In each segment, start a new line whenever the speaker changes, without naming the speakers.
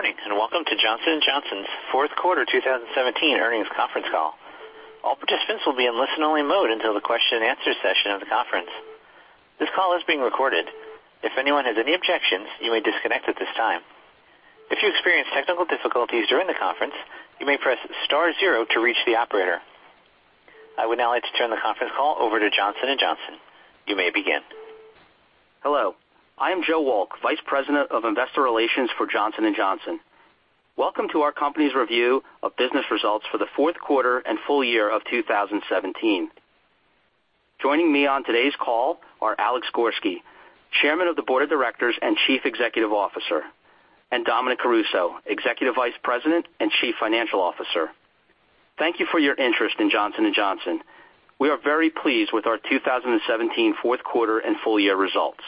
Good morning, and welcome to Johnson & Johnson's fourth quarter 2017 earnings conference call. All participants will be in listen-only mode until the question and answer session of the conference. This call is being recorded. If anyone has any objections, you may disconnect at this time. If you experience technical difficulties during the conference, you may press star zero to reach the operator. I would now like to turn the conference call over to Johnson & Johnson. You may begin.
Hello, I am Joe Wolk, Vice President of Investor Relations for Johnson & Johnson. Welcome to our company's review of business results for the fourth quarter and full year of 2017. Joining me on today's call are Alex Gorsky, Chairman of the Board of Directors and Chief Executive Officer, and Dominic Caruso, Executive Vice President and Chief Financial Officer. Thank you for your interest in Johnson & Johnson. We are very pleased with our 2017 fourth quarter and full year results.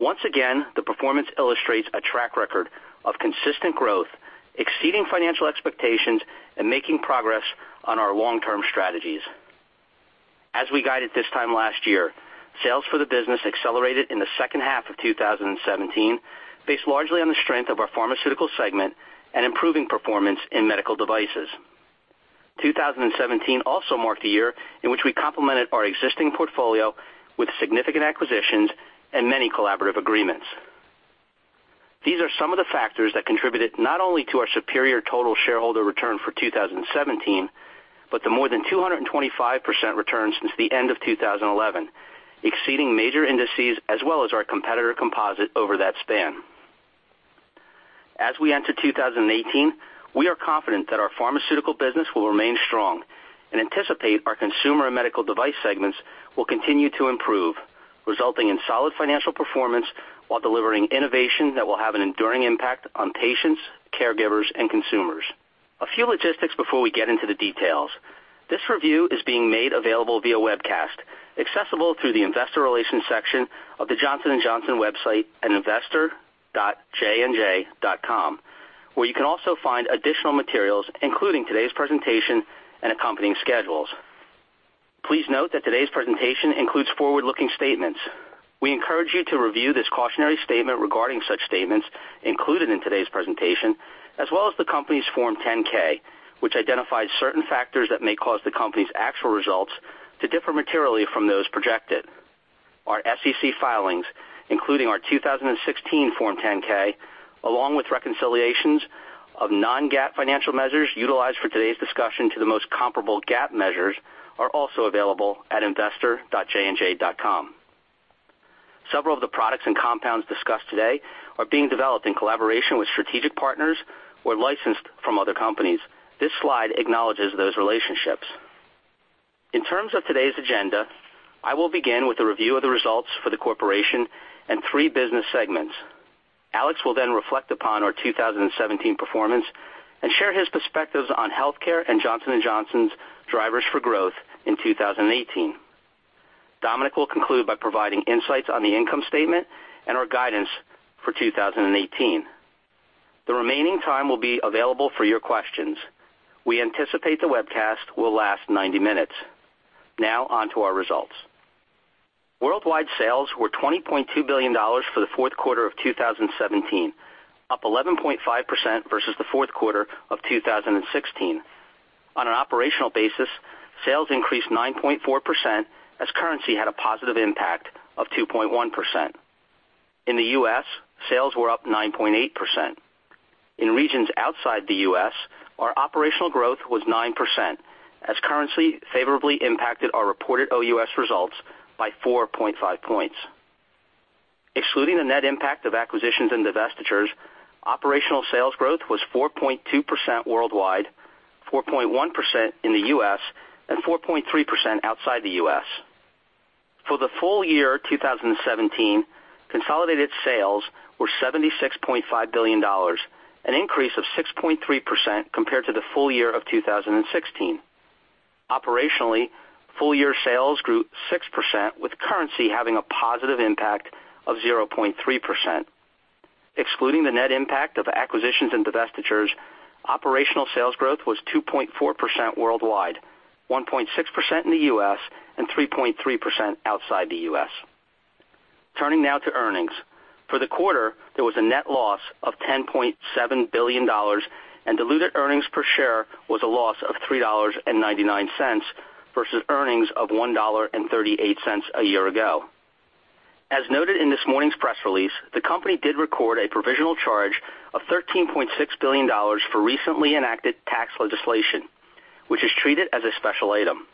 Once again, the performance illustrates a track record of consistent growth, exceeding financial expectations and making progress on our long-term strategies. As we guided this time last year, sales for the business accelerated in the second half of 2017, based largely on the strength of our pharmaceutical segment and improving performance in medical devices. 2017 also marked a year in which we complemented our existing portfolio with significant acquisitions and many collaborative agreements. These are some of the factors that contributed not only to our superior total shareholder return for 2017, but the more than 225% return since the end of 2011, exceeding major indices as well as our competitor composite over that span. As we enter 2018, we are confident that our pharmaceutical business will remain strong and anticipate our consumer and medical device segments will continue to improve, resulting in solid financial performance while delivering innovation that will have an enduring impact on patients, caregivers, and consumers. A few logistics before we get into the details. This review is being made available via webcast, accessible through the investor relations section of the Johnson & Johnson website at investor.jnj.com, where you can also find additional materials, including today's presentation and accompanying schedules. Please note that today's presentation includes forward-looking statements. We encourage you to review this cautionary statement regarding such statements included in today's presentation, as well as the company's Form 10-K, which identifies certain factors that may cause the company's actual results to differ materially from those projected. Our SEC filings, including our 2016 Form 10-K, along with reconciliations of non-GAAP financial measures utilized for today's discussion to the most comparable GAAP measures, are also available at investor.jnj.com. Several of the products and compounds discussed today are being developed in collaboration with strategic partners or licensed from other companies. This slide acknowledges those relationships. In terms of today's agenda, I will begin with a review of the results for the corporation and three business segments. Alex will then reflect upon our 2017 performance and share his perspectives on healthcare and Johnson & Johnson's drivers for growth in 2018. Dominic will conclude by providing insights on the income statement and our guidance for 2018. The remaining time will be available for your questions. We anticipate the webcast will last 90 minutes. Now on to our results. Worldwide sales were $20.2 billion for the fourth quarter of 2017, up 11.5% versus the fourth quarter of 2016. On an operational basis, sales increased 9.4% as currency had a positive impact of 2.1%. In the U.S., sales were up 9.8%. In regions outside the U.S., our operational growth was 9% as currency favorably impacted our reported OUS results by 4.5 points. Excluding the net impact of acquisitions and divestitures, operational sales growth was 4.2% worldwide, 4.1% in the U.S., and 4.3% outside the U.S. For the full year 2017, consolidated sales were $76.5 billion, an increase of 6.3% compared to the full year of 2016. Operationally, full year sales grew 6%, with currency having a positive impact of 0.3%. Excluding the net impact of acquisitions and divestitures, operational sales growth was 2.4% worldwide, 1.6% in the U.S., and 3.3% outside the U.S. Turning now to earnings. For the quarter, there was a net loss of $10.7 billion and diluted earnings per share was a loss of $3.99 versus earnings of $1.38 a year ago. As noted in this morning's press release, the company did record a provisional charge of $13.6 billion for recently enacted tax legislation, which is treated as a special item.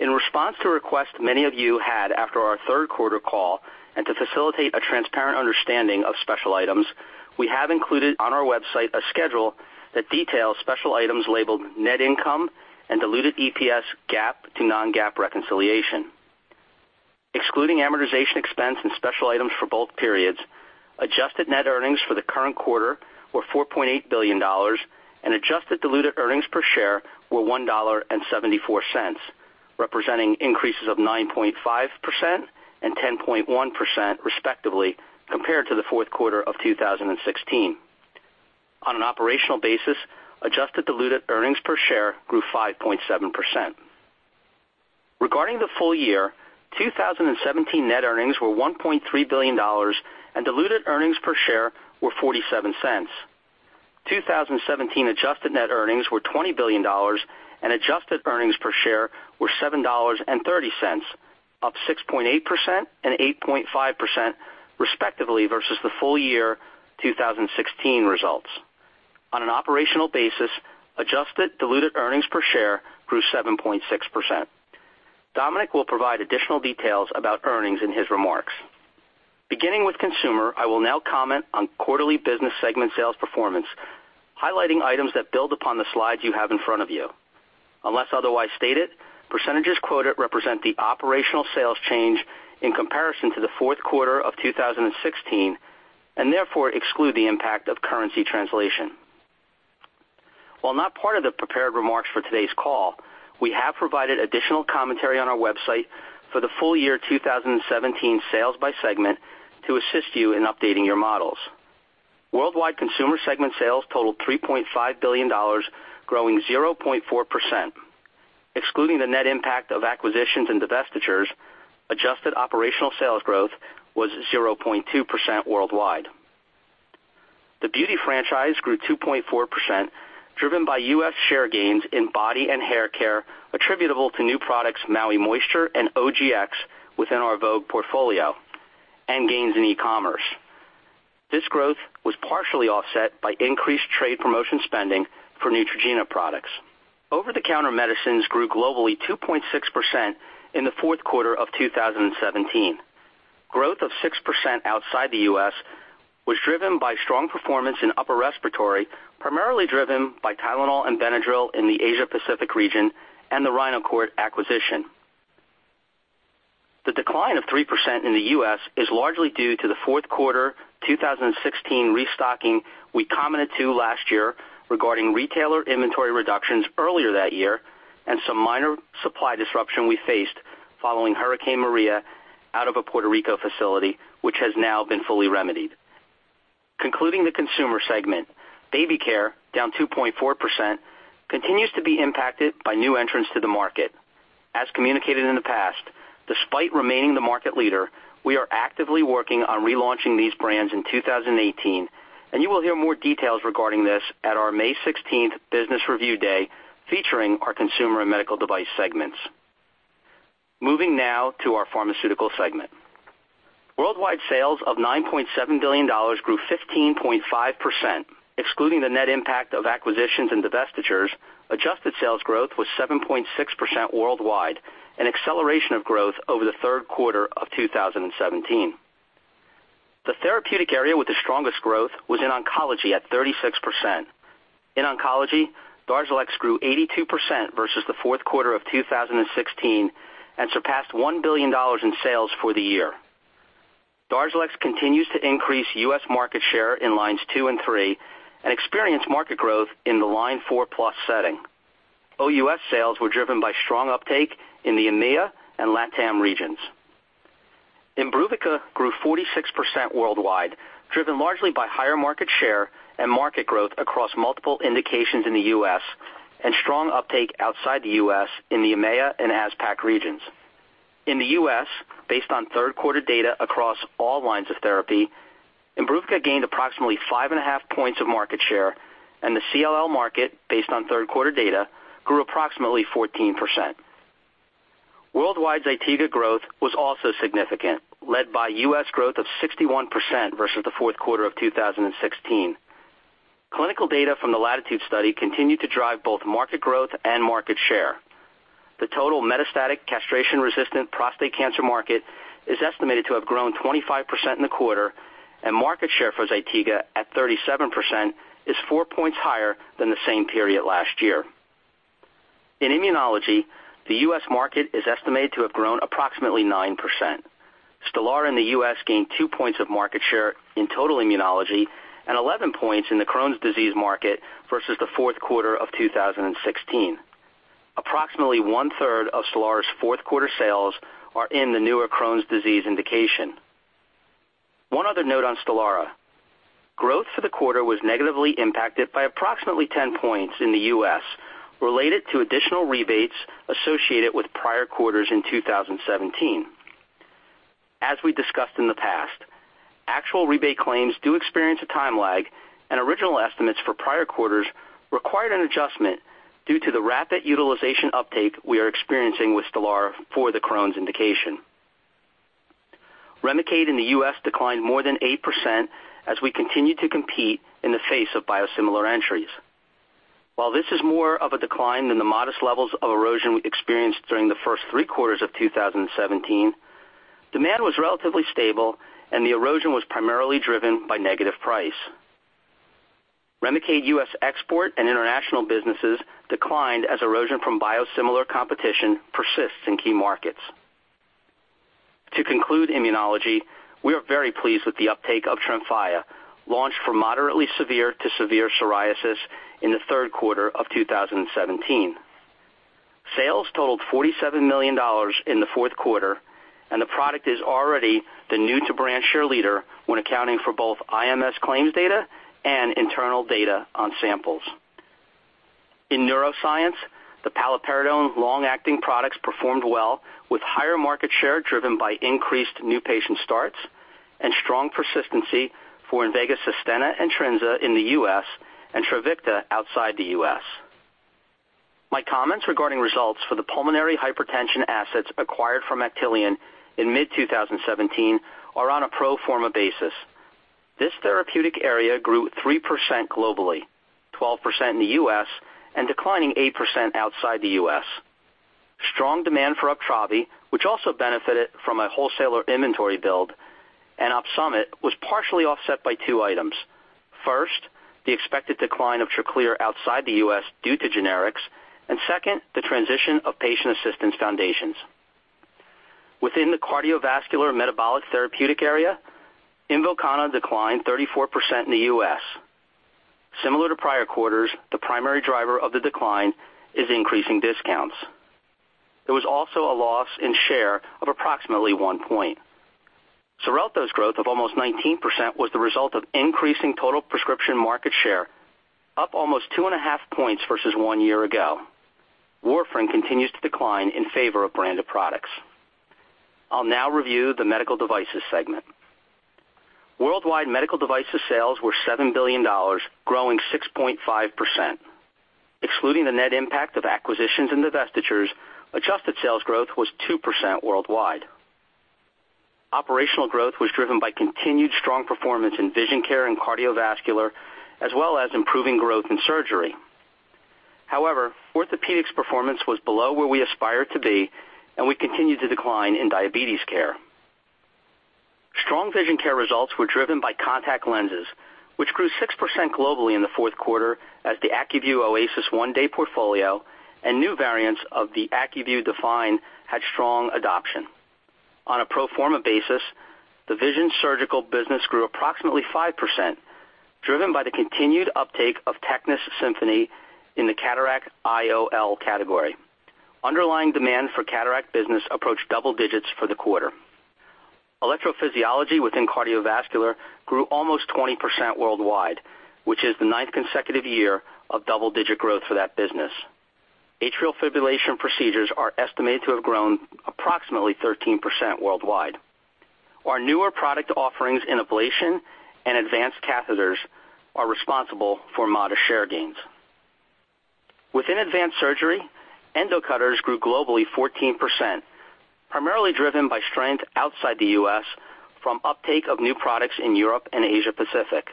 In response to requests many of you had after our third quarter call and to facilitate a transparent understanding of special items, we have included on our website a schedule that details special items labeled Net Income and Diluted EPS GAAP to non-GAAP reconciliation. Excluding amortization expense and special items for both periods, adjusted net earnings for the current quarter were $4.8 billion, and adjusted diluted earnings per share were $1.74, representing increases of 9.5% and 10.1%, respectively, compared to the fourth quarter of 2016. On an operational basis, adjusted diluted earnings per share grew 5.7%. Regarding the full year, 2017 net earnings were $1.3 billion and diluted earnings per share were $0.47. 2017 adjusted net earnings were $20 billion and adjusted earnings per share were $7.30, up 6.8% and 8.5% respectively versus the full year 2016 results. On an operational basis, adjusted diluted earnings per share grew 7.6%. Dominic will provide additional details about earnings in his remarks. Beginning with Consumer, I will now comment on quarterly business segment sales performance, highlighting items that build upon the slides you have in front of you. Unless otherwise stated, percentage quoted represent the operational sales change in comparison to the fourth quarter of 2016, and therefore exclude the impact of currency translation. While not part of the prepared remarks for today's call, we have provided additional commentary on our website for the full year 2017 sales by segment to assist you in updating your models. Worldwide Consumer Segment sales totaled $3.5 billion, growing 0.4%. Excluding the net impact of acquisitions and divestitures, adjusted operational sales growth was 0.2% worldwide. The beauty franchise grew 2.4%, driven by U.S. share gains in body and hair care attributable to new products Maui Moisture and OGX within our Vogue portfolio and gains in e-commerce. This growth was partially offset by increased trade promotion spending for Neutrogena products. Over-the-counter medicines grew globally 2.6% in the fourth quarter of 2017. Growth of 6% outside the U.S. was driven by strong performance in upper respiratory, primarily driven by Tylenol and Benadryl in the Asia Pacific region and the RHINOCORT acquisition. The decline of 3% in the U.S. is largely due to the fourth quarter 2016 restocking we commented to last year regarding retailer inventory reductions earlier that year and some minor supply disruption we faced following Hurricane Maria out of a Puerto Rico facility, which has now been fully remedied. Concluding the Consumer segment, baby care, down 2.4%, continues to be impacted by new entrants to the market. As communicated in the past, despite remaining the market leader, we are actively working on relaunching these brands in 2018, and you will hear more details regarding this at our May 16th Business Review Day featuring our Consumer and Medical Device segments. Moving now to our Pharmaceutical segment. Worldwide sales of $9.7 billion grew 15.5%, excluding the net impact of acquisitions and divestitures, adjusted sales growth was 7.6% worldwide, an acceleration of growth over the third quarter of 2017. The therapeutic area with the strongest growth was in oncology at 36%. In oncology, DARZALEX grew 82% versus the fourth quarter of 2016 and surpassed $1 billion in sales for the year. DARZALEX continues to increase U.S. market share in lines two and three and experience market growth in the line 4+ setting. OUS sales were driven by strong uptake in the EMEA and LATAM regions. IMBRUVICA grew 46% worldwide, driven largely by higher market share and market growth across multiple indications in the U.S. and strong uptake outside the U.S. in the EMEA and ASPAC regions. In the U.S., based on third quarter data across all lines of therapy, IMBRUVICA gained approximately 5.5 points of market share, and the CLL market, based on third quarter data, grew approximately 14%. Worldwide ZYTIGA growth was also significant, led by U.S. growth of 61% versus the fourth quarter of 2016. Clinical data from the Latitude study continued to drive both market growth and market share. The total metastatic castration-resistant prostate cancer market is estimated to have grown 25% in the quarter, and market share for ZYTIGA at 37% is 4 points higher than the same period last year. In immunology, the U.S. market is estimated to have grown approximately 9%. STELARA in the U.S. gained 2 points of market share in total immunology and 11 points in the Crohn's disease market versus the fourth quarter of 2016. Approximately 1/3 of STELARA's fourth quarter sales are in the newer Crohn's disease indication. One other note on STELARA. Growth for the quarter was negatively impacted by approximately 10 points in the U.S. related to additional rebates associated with prior quarters in 2017. We discussed in the past, actual rebate claims do experience a time lag, and original estimates for prior quarters required an adjustment due to the rapid utilization uptake we are experiencing with STELARA for the Crohn's indication. REMICADE in the U.S. declined more than 8% as we continue to compete in the face of biosimilar entries. While this is more of a decline than the modest levels of erosion we experienced during the first three quarters of 2017, demand was relatively stable, and the erosion was primarily driven by negative price. REMICADE U.S. export and international businesses declined as erosion from biosimilar competition persists in key markets. To conclude immunology, we are very pleased with the uptake of TREMFYA, launched for moderately severe to severe psoriasis in the third quarter of 2017. Sales totaled $47 million in the fourth quarter, the product is already the new to brand share leader when accounting for both IMS claims data and internal data on samples. In neuroscience, the paliperidone long-acting products performed well with higher market share driven by increased new patient starts and strong persistency for INVOKANA, INVEGA SUSTENNA, and INVEGA TRINZA in the U.S. and TREVICTA outside the U.S. My comments regarding results for the pulmonary hypertension assets acquired from Actelion in mid-2017 are on a pro forma basis. This therapeutic area grew 3% globally, 12% in the U.S. and declining 8% outside the U.S. Strong demand for UPTRAVI, which also benefited from a wholesaler inventory build and OPSUMIT, was partially offset by two items. First, the expected decline of TRACLEER outside the U.S. due to generics, and second, the transition of patient assistance foundations. Within the cardiovascular metabolic therapeutic area, INVOKANA declined 34% in the U.S. Similar to prior quarters, the primary driver of the decline is increasing discounts. There was also a loss in share of approximately one point. XARELTO's growth of almost 19% was the result of increasing total prescription market share, up almost 2.5 points versus one year ago. warfarin continues to decline in favor of branded products. I'll now review the medical devices segment. Worldwide medical devices sales were $7 billion, growing 6.5%. Excluding the net impact of acquisitions and divestitures, adjusted sales growth was 2% worldwide. Operational growth was driven by continued strong performance in vision care and cardiovascular, as well as improving growth in surgery. However, orthopedics performance was below where we aspire to be, and we continued to decline in diabetes care. Strong vision care results were driven by contact lenses, which grew 6% globally in the fourth quarter as the ACUVUE OASYS 1-day portfolio and new variants of the ACUVUE DEFINE had strong adoption. On a pro forma basis, the vision surgical business grew approximately 5%, driven by the continued uptake of TECNIS Symfony in the cataract IOL category. Underlying demand for cataract business approached double digits for the quarter. Electrophysiology within cardiovascular grew almost 20% worldwide, which is the ninth consecutive year of double-digit growth for that business. Atrial fibrillation procedures are estimated to have grown approximately 13% worldwide. Our newer product offerings in ablation and advanced catheters are responsible for modest share gains. Within advanced surgery, Endocutters grew globally 14%, primarily driven by strength outside the U.S. from uptake of new products in Europe and Asia Pacific.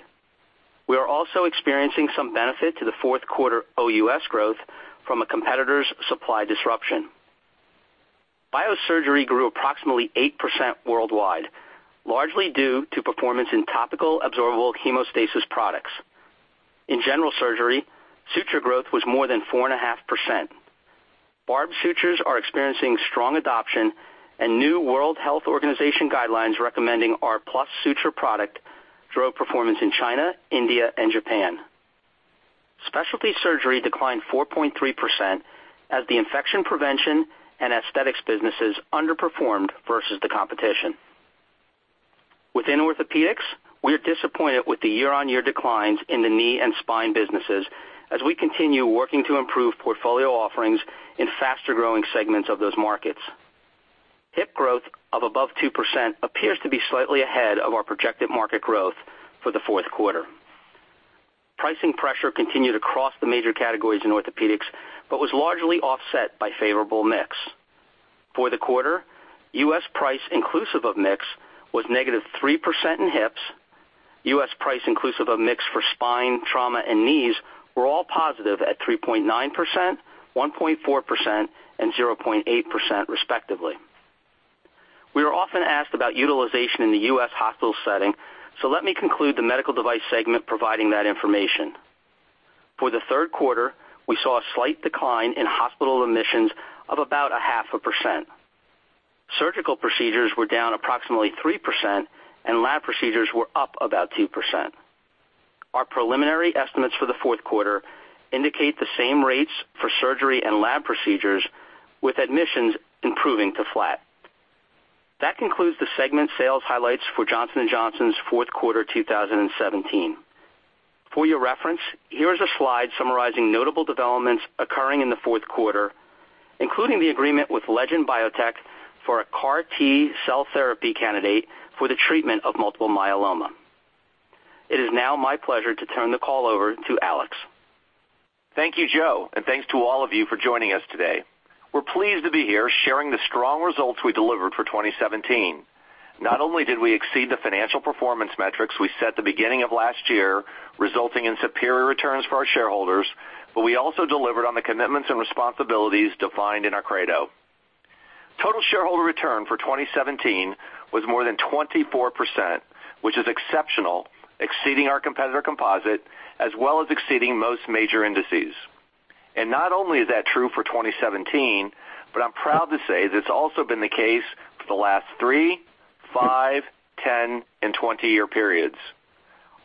We are also experiencing some benefit to the fourth quarter OUS growth from a competitor's supply disruption. Biosurgery grew approximately 8% worldwide, largely due to performance in topical absorbable hemostasis products. In general surgery, suture growth was more than 4.5%. Barbed sutures are experiencing strong adoption and new World Health Organization guidelines recommending our PLUS Sutures product drove performance in China, India and Japan. Specialty surgery declined 4.3% as the infection prevention and aesthetics businesses underperformed versus the competition. Within orthopedics, we are disappointed with the year-on-year declines in the knee and spine businesses as we continue working to improve portfolio offerings in faster-growing segments of those markets. HIP growth of above 2% appears to be slightly ahead of our projected market growth for the 4th quarter. Pricing pressure continued across the major categories in orthopedics, but was largely offset by favorable mix. For the quarter, U.S. price inclusive of mix was -3% in HIPs. U.S. price inclusive of mix for spine, trauma, and knees were all positive at 3.9%, 1.4%, and 0.8% respectively. We are often asked about utilization in the U.S. hospital setting, so let me conclude the medical device segment providing that information. For the third quarter, we saw a slight decline in hospital admissions of about 0.5%. Surgical procedures were down approximately 3%, and lab procedures were up about 2%. Our preliminary estimates for the fourth quarter indicate the same rates for surgery and lab procedures, with admissions improving to flat. That concludes the segment sales highlights for Johnson & Johnson's fourth quarter 2017. For your reference, here is a slide summarizing notable developments occurring in the fourth quarter, including the agreement with Legend Biotech for a CAR T cell therapy candidate for the treatment of multiple myeloma. It is now my pleasure to turn the call over to Alex.
Thank you, Joe, and thanks to all of you for joining us today. We're pleased to be here sharing the strong results we delivered for 2017. Not only did we exceed the financial performance metrics we set at the beginning of last year, resulting in superior returns for our shareholders, but we also delivered on the commitments and responsibilities defined in our credo. Total shareholder return for 2017 was more than 24%, which is exceptional, exceeding our competitor composite, as well as exceeding most major indices. Not only is that true for 2017, but I'm proud to say that it's also been the case for the last three, five, 10, and 20-year periods.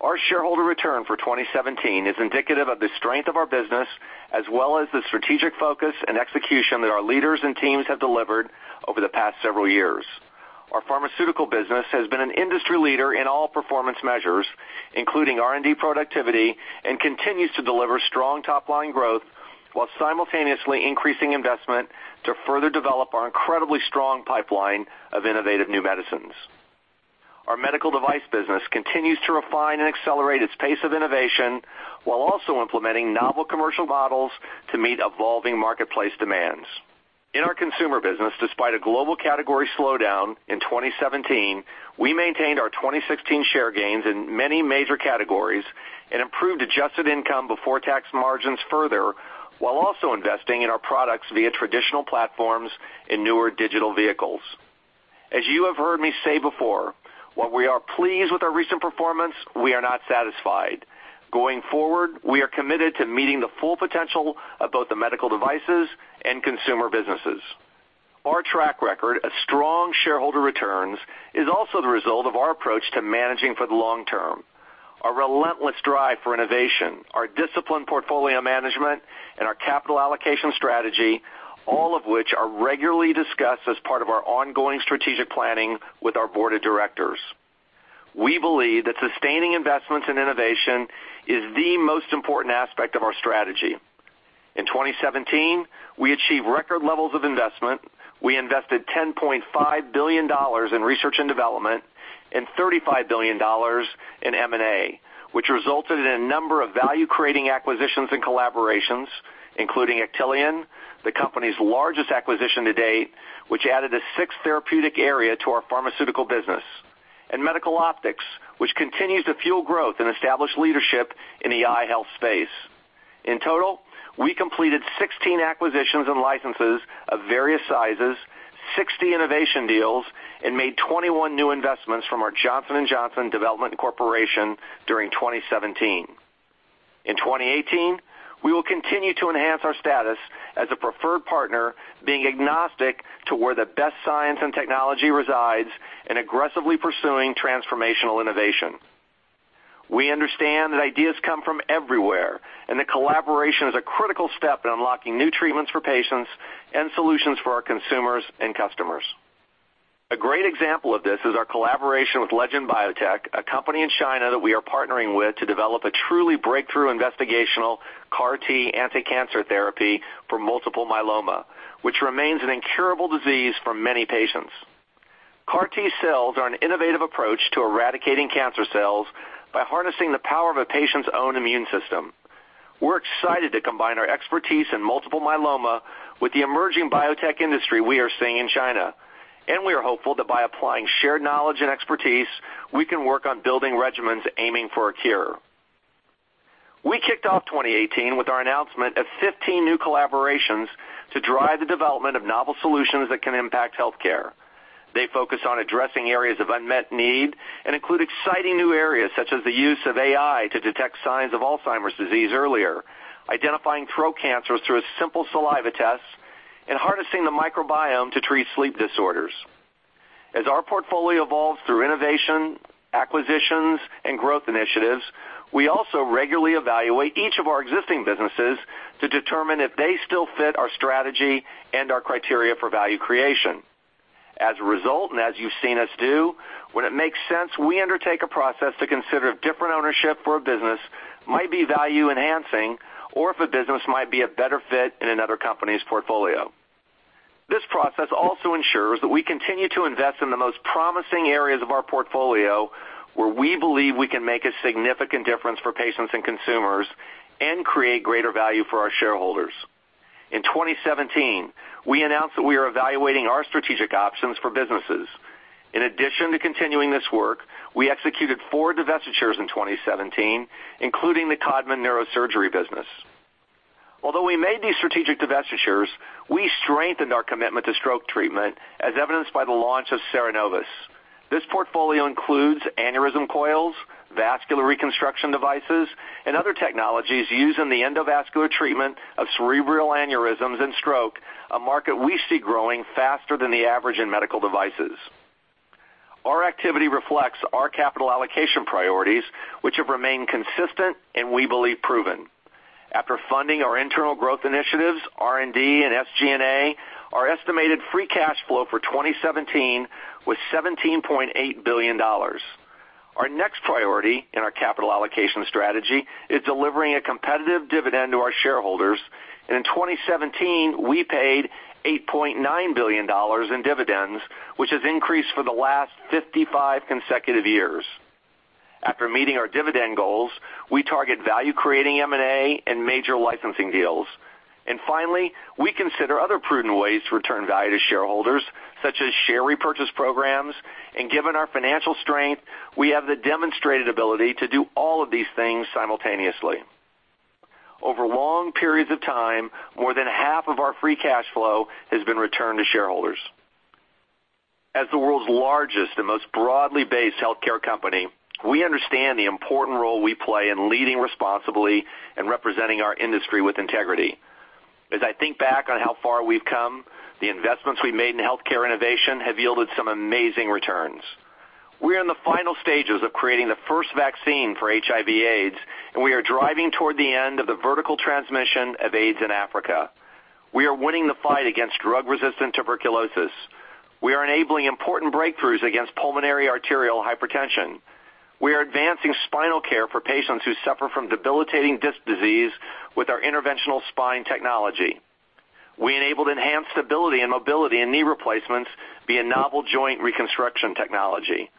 Our shareholder return for 2017 is indicative of the strength of our business, as well as the strategic focus and execution that our leaders and teams have delivered over the past several years. Our pharmaceutical business has been an industry leader in all performance measures, including R&D productivity, and continues to deliver strong top-line growth while simultaneously increasing investment to further develop our incredibly strong pipeline of innovative new medicines. Our medical device business continues to refine and accelerate its pace of innovation while also implementing novel commercial models to meet evolving marketplace demands. In our consumer business, despite a global category slowdown in 2017, we maintained our 2016 share gains in many major categories and improved adjusted income before tax margins further, while also investing in our products via traditional platforms and newer digital vehicles. As you have heard me say before, while we are pleased with our recent performance, we are not satisfied. Going forward, we are committed to meeting the full potential of both the medical devices and consumer businesses. Our track record of strong shareholder returns is also the result of our approach to managing for the long term. Our relentless drive for innovation, our disciplined portfolio management, and our capital allocation strategy, all of which are regularly discussed as part of our ongoing strategic planning with our board of directors. We believe that sustaining investments in innovation is the most important aspect of our strategy. In 2017, we achieved record levels of investment. We invested $10.5 billion in R&D and $35 billion in M&A, which resulted in a number of value-creating acquisitions and collaborations, including Actelion, the company's largest acquisition to date, which added a sixth therapeutic area to our pharmaceutical business, and Medical Optics, which continues to fuel growth and establish leadership in the eye health space. In total, we completed 16 acquisitions and licenses of various sizes, 60 innovation deals, and made 21 new investments from our Johnson & Johnson Development Corporation during 2017. In 2018, we will continue to enhance our status as a preferred partner, being agnostic to where the best science and technology resides and aggressively pursuing transformational innovation. We understand that ideas come from everywhere, and that collaboration is a critical step in unlocking new treatments for patients and solutions for our consumers and customers. A great example of this is our collaboration with Legend Biotech, a company in China that we are partnering with to develop a truly breakthrough investigational CAR T anticancer therapy for multiple myeloma, which remains an incurable disease for many patients. CAR T-cells are an innovative approach to eradicating cancer cells by harnessing the power of a patient's own immune system. We're excited to combine our expertise in multiple myeloma with the emerging biotech industry we are seeing in China. We are hopeful that by applying shared knowledge and expertise, we can work on building regimens aiming for a cure. We kicked off 2018 with our announcement of 15 new collaborations to drive the development of novel solutions that can impact healthcare. They focus on addressing areas of unmet need and include exciting new areas such as the use of AI to detect signs of Alzheimer's disease earlier, identifying throat cancers through a simple saliva test, and harnessing the microbiome to treat sleep disorders. As our portfolio evolves through innovation, acquisitions, and growth initiatives, we also regularly evaluate each of our existing businesses to determine if they still fit our strategy and our criteria for value creation. As a result, and as you've seen us do, when it makes sense, we undertake a process to consider if different ownership for a business might be value-enhancing or if a business might be a better fit in another company's portfolio. This process also ensures that we continue to invest in the most promising areas of our portfolio, where we believe we can make a significant difference for patients and consumers and create greater value for our shareholders. In 2017, we announced that we are evaluating our strategic options for businesses. In addition to continuing this work, we executed four divestitures in 2017, including the Codman Neurosurgery business. Although we made these strategic divestitures, we strengthened our commitment to stroke treatment, as evidenced by the launch of CERENOVUS. This portfolio includes aneurysm coils, vascular reconstruction devices, and other technologies used in the endovascular treatment of cerebral aneurysms and stroke, a market we see growing faster than the average in medical devices. Our activity reflects our capital allocation priorities, which have remained consistent and we believe proven. After funding our internal growth initiatives, R&D, and SG&A, our estimated free cash flow for 2017 was $17.8 billion. Our next priority in our capital allocation strategy is delivering a competitive dividend to our shareholders. In 2017, we paid $8.9 billion in dividends, which has increased for the last 55 consecutive years. After meeting our dividend goals, we target value-creating M&A and major licensing deals. Finally, we consider other prudent ways to return value to shareholders, such as share repurchase programs, and given our financial strength, we have the demonstrated ability to do all of these things simultaneously. Over long periods of time, more than half of our free cash flow has been returned to shareholders. As the world's largest and most broadly based healthcare company, we understand the important role we play in leading responsibly and representing our industry with integrity. As I think back on how far we've come, the investments we've made in healthcare innovation have yielded some amazing returns. We are in the final stages of creating the first vaccine for HIV/AIDS. We are driving toward the end of the vertical transmission of AIDS in Africa. We are winning the fight against drug-resistant tuberculosis. We are enabling important breakthroughs against pulmonary arterial hypertension. We are advancing spinal care for patients who suffer from debilitating disc disease with our interventional spine technology. We enabled enhanced stability and mobility in knee replacements via novel joint reconstruction technology.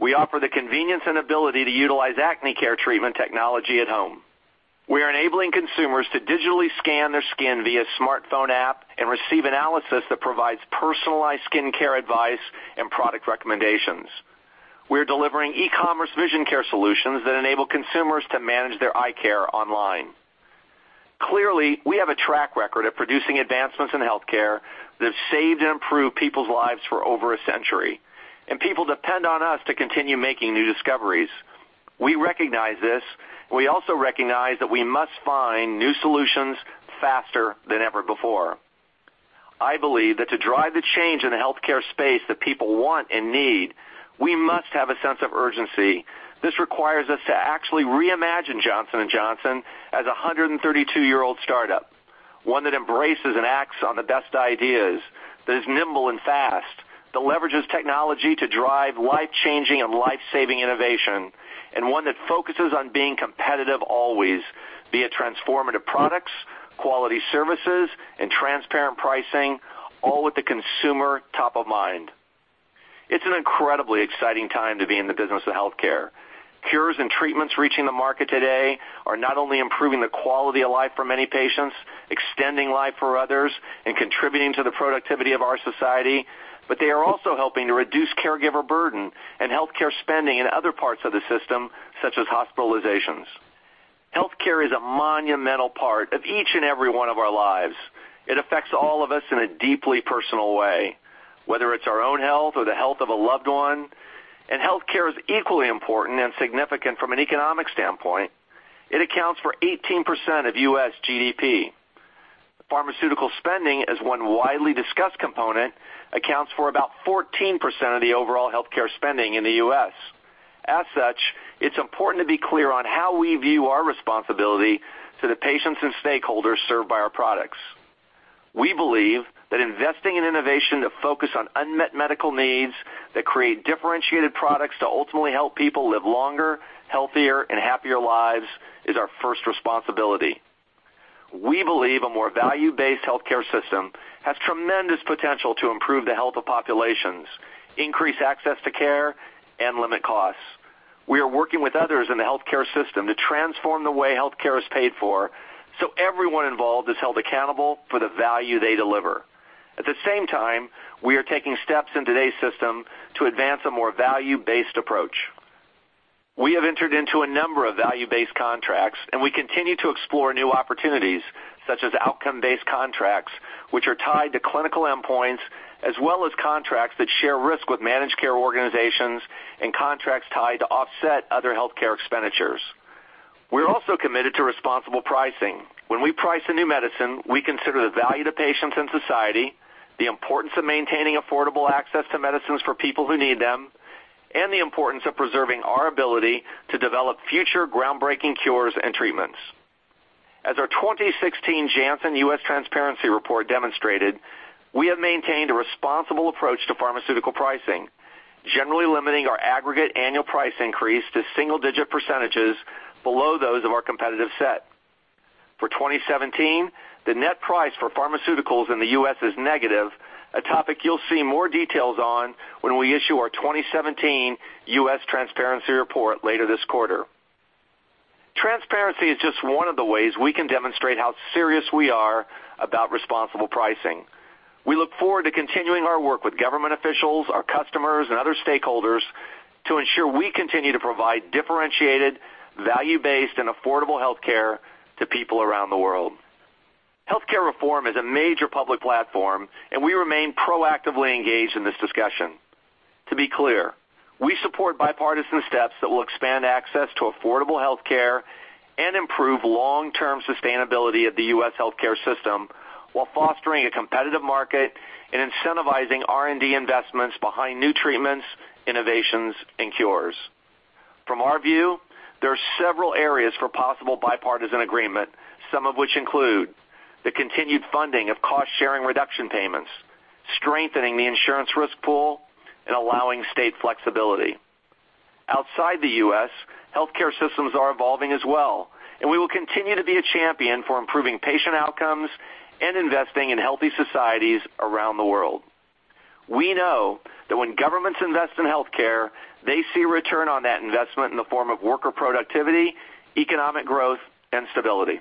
We offer the convenience and ability to utilize acne care treatment technology at home. We are enabling consumers to digitally scan their skin via smartphone app and receive analysis that provides personalized skincare advice and product recommendations. We are delivering e-commerce vision care solutions that enable consumers to manage their eye care online. We have a track record of producing advancements in healthcare that have saved and improved people's lives for over a century, and people depend on us to continue making new discoveries. We recognize this. We also recognize that we must find new solutions faster than ever before. I believe that to drive the change in the healthcare space that people want and need, we must have a sense of urgency. This requires us to actually reimagine Johnson & Johnson as a 132-year-old startup, one that embraces and acts on the best ideas, that is nimble and fast, that leverages technology to drive life-changing and life-saving innovation, and one that focuses on being competitive always, be it transformative products, quality services, and transparent pricing, all with the consumer top of mind. It's an incredibly exciting time to be in the business of healthcare. Cures and treatments reaching the market today are not only improving the quality of life for many patients, extending life for others, and contributing to the productivity of our society, but they are also helping to reduce caregiver burden and healthcare spending in other parts of the system, such as hospitalizations. Healthcare is a monumental part of each and every one of our lives. It affects all of us in a deeply personal way, whether it's our own health or the health of a loved one, and healthcare is equally important and significant from an economic standpoint. It accounts for 18% of U.S. GDP. Pharmaceutical spending, as one widely discussed component, accounts for about 14% of the overall healthcare spending in the U.S. As such, it's important to be clear on how we view our responsibility to the patients and stakeholders served by our products. We believe that investing in innovation that focus on unmet medical needs, that create differentiated products to ultimately help people live longer, healthier, and happier lives is our first responsibility. We believe a more value-based healthcare system has tremendous potential to improve the health of populations, increase access to care, and limit costs. We are working with others in the healthcare system to transform the way healthcare is paid for, so everyone involved is held accountable for the value they deliver. At the same time, we are taking steps in today's system to advance a more value-based approach. We have entered into a number of value-based contracts, and we continue to explore new opportunities, such as outcome-based contracts, which are tied to clinical endpoints, as well as contracts that share risk with managed care organizations and contracts tied to offset other healthcare expenditures. We are also committed to responsible pricing. When we price a new medicine, we consider the value to patients and society, the importance of maintaining affordable access to medicines for people who need them, and the importance of preserving our ability to develop future groundbreaking cures and treatments. As our 2016 Janssen U.S. Transparency Report demonstrated, we have maintained a responsible approach to pharmaceutical pricing, generally limiting our aggregate annual price increase to single-digit percentages below those of our competitive set. For 2017, the net price for pharmaceuticals in the U.S. is negative, a topic you'll see more details on when we issue our 2017 U.S. Transparency Report later this quarter. Transparency is just one of the ways we can demonstrate how serious we are about responsible pricing. We look forward to continuing our work with government officials, our customers, and other stakeholders to ensure we continue to provide differentiated, value-based, and affordable healthcare to people around the world. Healthcare reform is a major public platform, and we remain proactively engaged in this discussion. To be clear, we support bipartisan steps that will expand access to affordable healthcare and improve long-term sustainability of the U.S. healthcare system while fostering a competitive market and incentivizing R&D investments behind new treatments, innovations, and cures. From our view, there are several areas for possible bipartisan agreement, some of which include the continued funding of cost-sharing reduction payments, strengthening the insurance risk pool, and allowing state flexibility. Outside the U.S., healthcare systems are evolving as well, and we will continue to be a champion for improving patient outcomes and investing in healthy societies around the world. We know that when governments invest in healthcare, they see return on that investment in the form of worker productivity, economic growth, and stability.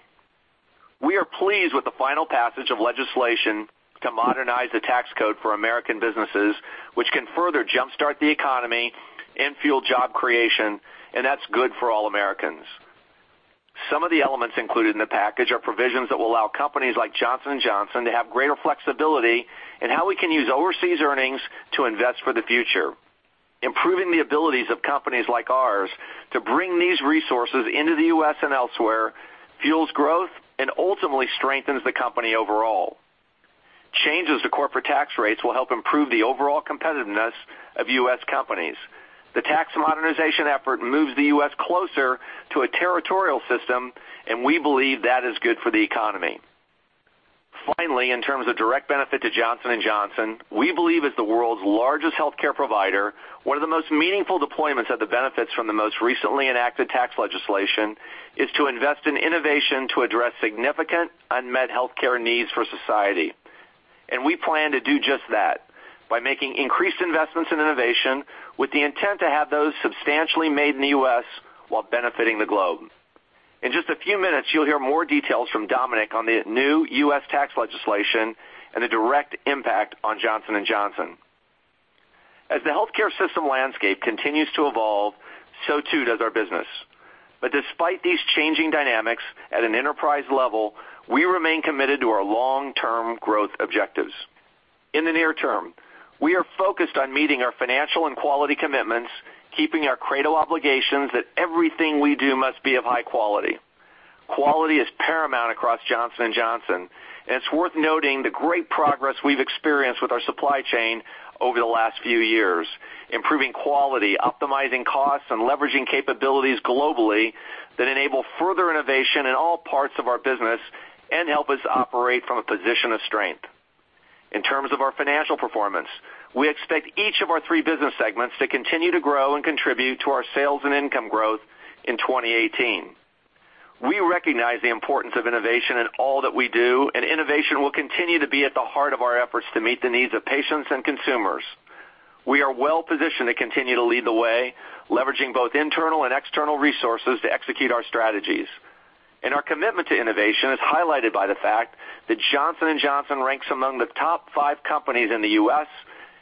We are pleased with the final passage of legislation to modernize the tax code for U.S. businesses, which can further jumpstart the economy and fuel job creation. That's good for all Americans. Some of the elements included in the package are provisions that will allow companies like Johnson & Johnson to have greater flexibility in how we can use overseas earnings to invest for the future. Improving the abilities of companies like ours to bring these resources into the U.S. and elsewhere fuels growth and ultimately strengthens the company overall. Changes to corporate tax rates will help improve the overall competitiveness of U.S. companies. The tax modernization effort moves the U.S. closer to a territorial system. We believe that is good for the economy. Finally, in terms of direct benefit to Johnson & Johnson, we believe as the world's largest healthcare provider, one of the most meaningful deployments of the benefits from the most recently enacted tax legislation is to invest in innovation to address significant unmet healthcare needs for society. We plan to do just that by making increased investments in innovation with the intent to have those substantially made in the U.S. while benefiting the globe. In just a few minutes, you'll hear more details from Dominic on the new U.S. tax legislation and the direct impact on Johnson & Johnson. As the healthcare system landscape continues to evolve, so too does our business. Despite these changing dynamics at an enterprise level, we remain committed to our long-term growth objectives. In the near term, we are focused on meeting our financial and quality commitments, keeping our Credo obligations that everything we do must be of high quality. Quality is paramount across Johnson & Johnson, and it's worth noting the great progress we've experienced with our supply chain over the last few years, improving quality, optimizing costs, and leveraging capabilities globally that enable further innovation in all parts of our business and help us operate from a position of strength. In terms of our financial performance, we expect each of our three business segments to continue to grow and contribute to our sales and income growth in 2018. We recognize the importance of innovation in all that we do, and innovation will continue to be at the heart of our efforts to meet the needs of patients and consumers. We are well-positioned to continue to lead the way, leveraging both internal and external resources to execute our strategies. Our commitment to innovation is highlighted by the fact that Johnson & Johnson ranks among the top five companies in the U.S.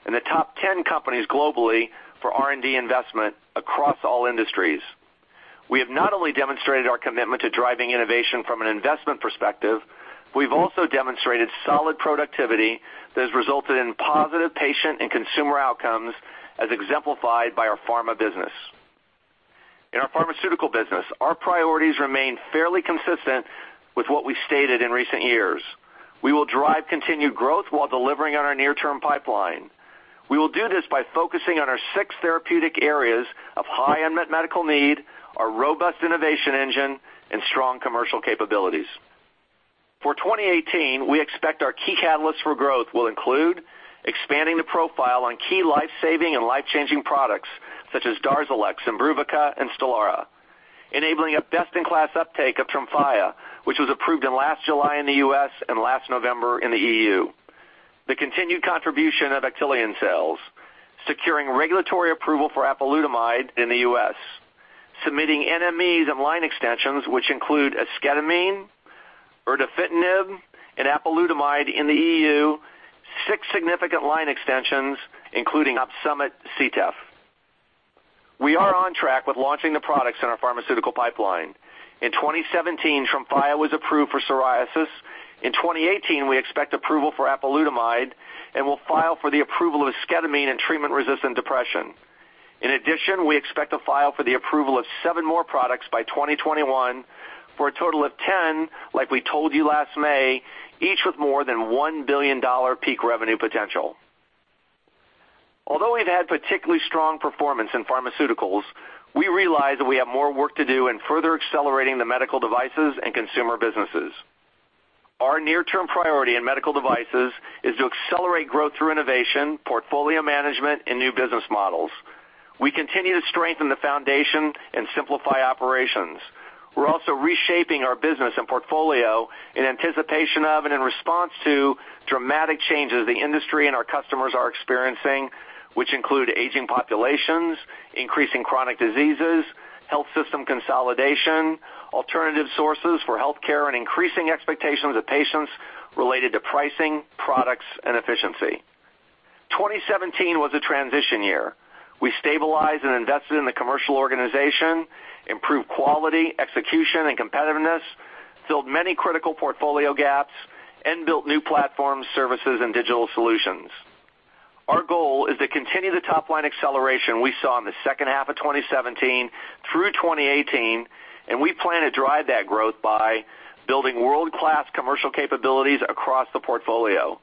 and the top 10 companies globally for R&D investment across all industries. We have not only demonstrated our commitment to driving innovation from an investment perspective, we've also demonstrated solid productivity that has resulted in positive patient and consumer outcomes as exemplified by our pharma business. In our pharmaceutical business, our priorities remain fairly consistent with what we stated in recent years. We will drive continued growth while delivering on our near-term pipeline. We will do this by focusing on our six therapeutic areas of high unmet medical need, our robust innovation engine, and strong commercial capabilities. For 2018, we expect our key catalysts for growth will include expanding the profile on key life-saving and life-changing products such as DARZALEX, IMBRUVICA, and STELARA, enabling a best-in-class uptake of TREMFYA, which was approved in last July in the U.S. and last November in the EU. The continued contribution of Actelion sales, securing regulatory approval for apalutamide in the U.S., submitting NMEs and line extensions, which include esketamine, erdafitinib, and apalutamide in the EU, six significant line extensions, including OPSUMIT CTEPH. We are on track with launching the products in our pharmaceutical pipeline. In 2017, TREMFYA was approved for psoriasis. In 2018, we expect approval for apalutamide, we'll file for the approval of esketamine in treatment-resistant depression. We expect to file for the approval of seven more products by 2021 for a total of 10, like we told you last May, each with more than $1 billion peak revenue potential. Although we've had particularly strong performance in pharmaceuticals, we realize that we have more work to do in further accelerating the medical devices and consumer businesses. Our near-term priority in medical devices is to accelerate growth through innovation, portfolio management, and new business models. We continue to strengthen the foundation and simplify operations. We're also reshaping our business and portfolio in anticipation of and in response to dramatic changes the industry and our customers are experiencing, which include aging populations, increasing chronic diseases, health system consolidation, alternative sources for healthcare, and increasing expectations of patients related to pricing, products, and efficiency. 2017 was a transition year. We stabilized and invested in the commercial organization, improved quality, execution, and competitiveness, filled many critical portfolio gaps, and built new platforms, services, and digital solutions. Our goal is to continue the top-line acceleration we saw in the second half of 2017 through 2018. We plan to drive that growth by building world-class commercial capabilities across the portfolio,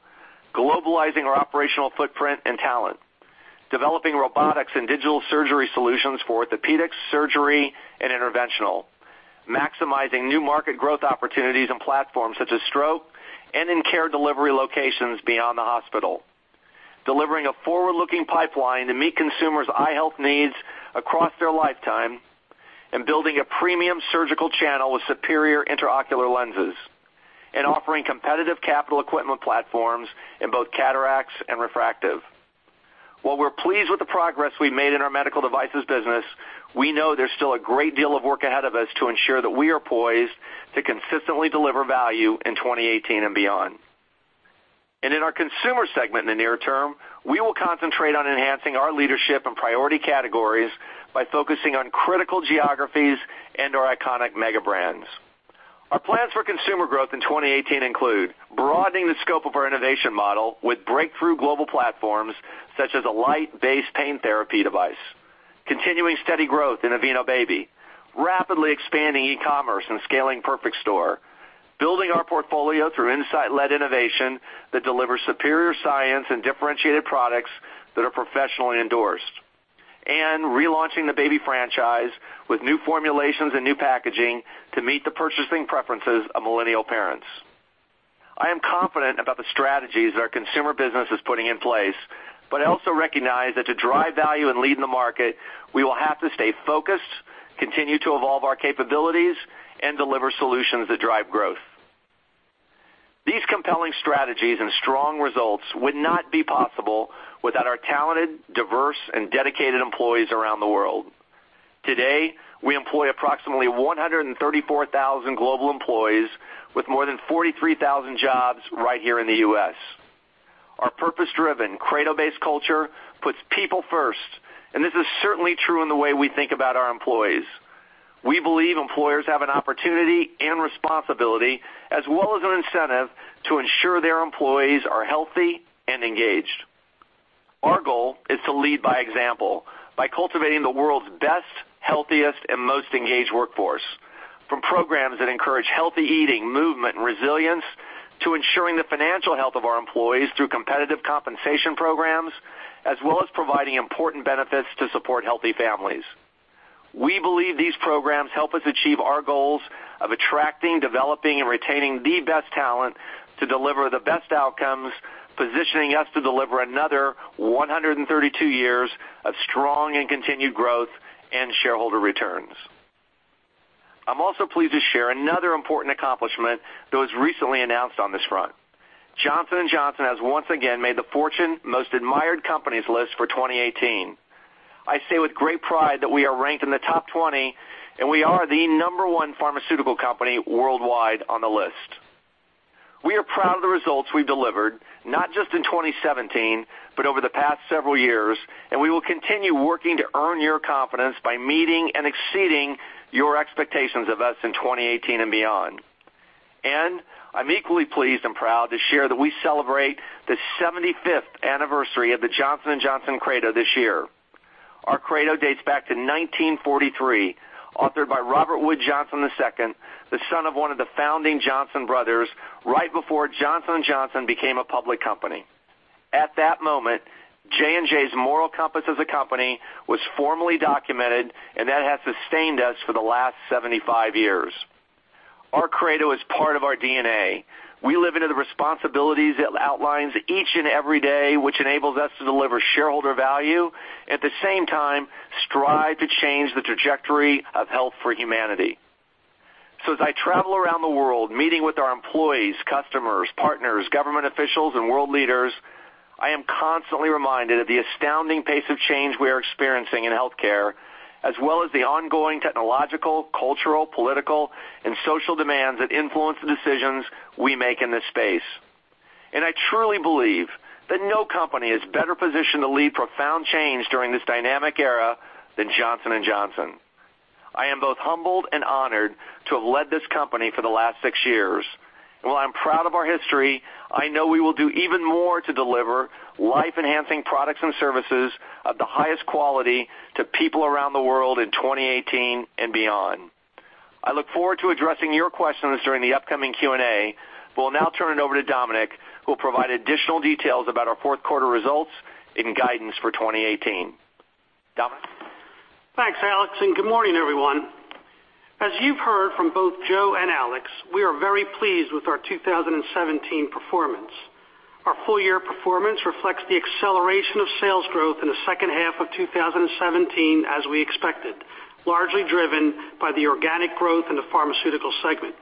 globalizing our operational footprint and talent, developing robotics and digital surgery solutions for orthopedics, surgery, and interventional, maximizing new market growth opportunities and platforms such as stroke and in care delivery locations beyond the hospital, delivering a forward-looking pipeline to meet consumers' eye health needs across their lifetime, and building a premium surgical channel with superior intraocular lenses, and offering competitive capital equipment platforms in both cataracts and refractive. While we're pleased with the progress we've made in our medical devices business, we know there's still a great deal of work ahead of us to ensure that we are poised to consistently deliver value in 2018 and beyond. In our consumer segment in the near term, we will concentrate on enhancing our leadership and priority categories by focusing on critical geographies and our iconic mega brands. Our plans for consumer growth in 2018 include broadening the scope of our innovation model with breakthrough global platforms such as a light-based pain therapy device, continuing steady growth in Aveeno Baby, rapidly expanding e-commerce and scaling Perfect Store, building our portfolio through insight-led innovation that delivers superior science and differentiated products that are professionally endorsed, and relaunching the Baby franchise with new formulations and new packaging to meet the purchasing preferences of millennial parents. I am confident about the strategies that our consumer business is putting in place, but I also recognize that to drive value and lead in the market, we will have to stay focused, continue to evolve our capabilities, and deliver solutions that drive growth. These compelling strategies and strong results would not be possible without our talented, diverse, and dedicated employees around the world. Today, we employ approximately 134,000 global employees with more than 43,000 jobs right here in the U.S. Our purpose-driven, credo-based culture puts people first, and this is certainly true in the way we think about our employees. We believe employers have an opportunity and responsibility, as well as an incentive to ensure their employees are healthy and engaged. Our goal is to lead by example by cultivating the world's best, healthiest, and most engaged workforce from programs that encourage healthy eating, movement, and resilience to ensuring the financial health of our employees through competitive compensation programs, as well as providing important benefits to support healthy families. We believe these programs help us achieve our goals of attracting, developing, and retaining the best talent to deliver the best outcomes, positioning us to deliver another 132 years of strong and continued growth and shareholder returns. I'm also pleased to share another important accomplishment that was recently announced on this front. Johnson & Johnson has once again made the Fortune Most Admired Companies list for 2018. I say with great pride that we are ranked in the top 20, and we are the number one pharmaceutical company worldwide on the list. We are proud of the results we've delivered, not just in 2017, but over the past several years, we will continue working to earn your confidence by meeting and exceeding your expectations of us in 2018 and beyond. I'm equally pleased and proud to share that we celebrate the 75th anniversary of the Johnson & Johnson Credo this year. Our Credo dates back to 1943, authored by Robert Wood Johnson II, the son of one of the founding Johnson brothers, right before Johnson & Johnson became a public company. At that moment, J&J's moral compass as a company was formally documented, and that has sustained us for the last 75 years. Our Credo is part of our DNA. We live into the responsibilities it outlines each and every day, which enables us to deliver shareholder value, at the same time, strive to change the trajectory of health for humanity. As I travel around the world, meeting with our employees, customers, partners, government officials, and world leaders, I am constantly reminded of the astounding pace of change we are experiencing in healthcare, as well as the ongoing technological, cultural, political, and social demands that influence the decisions we make in this space. I truly believe that no company is better positioned to lead profound change during this dynamic era than Johnson & Johnson. I am both humbled and honored to have led this company for the last six years. While I'm proud of our history, I know we will do even more to deliver life-enhancing products and services of the highest quality to people around the world in 2018 and beyond. I look forward to addressing your questions during the upcoming Q&A, but will now turn it over to Dominic, who will provide additional details about our fourth quarter results and guidance for 2018. Dominic?
Thanks, Alex. Good morning, everyone. As you've heard from both Joe and Alex, we are very pleased with our 2017 performance. Our full year performance reflects the acceleration of sales growth in the second half of 2017, as we expected, largely driven by the organic growth in the pharmaceutical segment.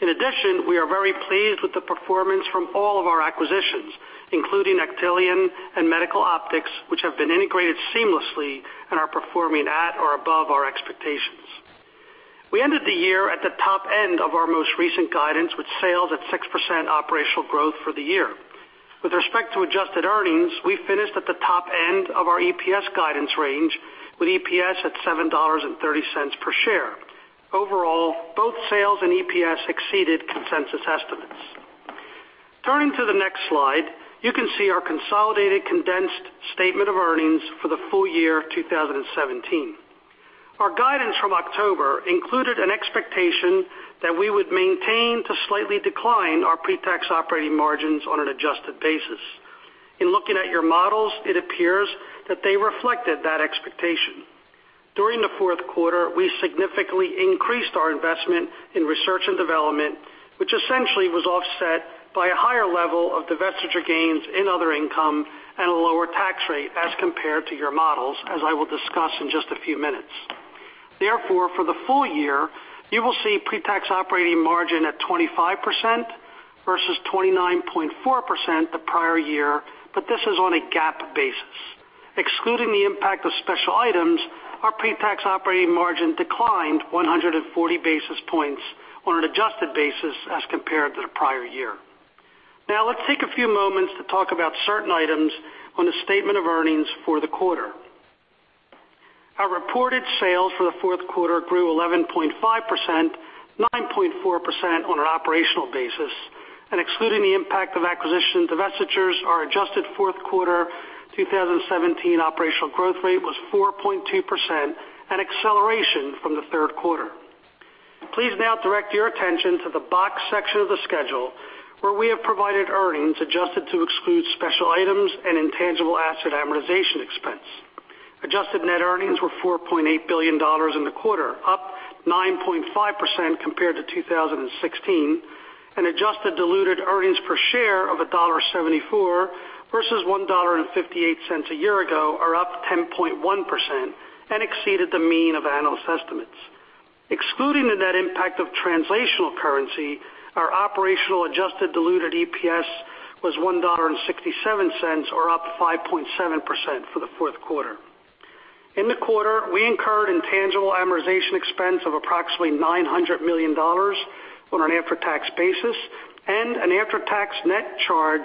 In addition, we are very pleased with the performance from all of our acquisitions, including Actelion and Medical Optics, which have been integrated seamlessly and are performing at or above our expectations. We ended the year at the top end of our most recent guidance with sales at 6% operational growth for the year. With respect to adjusted earnings, we finished at the top end of our EPS guidance range with EPS at $7.30 per share. Overall, both sales and EPS exceeded consensus estimates. Turning to the next slide, you can see our consolidated condensed statement of earnings for the full year 2017. Our guidance from October included an expectation that we would maintain to slightly decline our pretax operating margins on an adjusted basis. In looking at your models, it appears that they reflected that expectation. During the fourth quarter, we significantly increased our investment in research and development, which essentially was offset by a higher level of divestiture gains in other income and a lower tax rate as compared to your models, as I will discuss in just a few minutes. For the full year, you will see pretax operating margin at 25% versus 29.4% the prior year, but this is on a GAAP basis. Excluding the impact of special items, our pretax operating margin declined 140 basis points on an adjusted basis as compared to the prior year. Let's take a few moments to talk about certain items on the statement of earnings for the quarter. Our reported sales for the fourth quarter grew 11.5%, 9.4% on an operational basis. Excluding the impact of acquisition, divestitures, our adjusted fourth quarter 2017 operational growth rate was 4.2%, an acceleration from the third quarter. Please now direct your attention to the box section of the schedule, where we have provided earnings adjusted to exclude special items and intangible asset amortization expense. Adjusted net earnings were $4.8 billion in the quarter, up 9.5% compared to 2016. Adjusted diluted earnings per share of $1.74 versus $1.58 a year ago, are up 10.1% and exceeded the mean of analyst estimates. Excluding the net impact of translational currency, our operational adjusted diluted EPS was $1.67, or up 5.7% for the fourth quarter. In the quarter, we incurred intangible amortization expense of approximately $900 million on an after-tax basis, and an after-tax net charge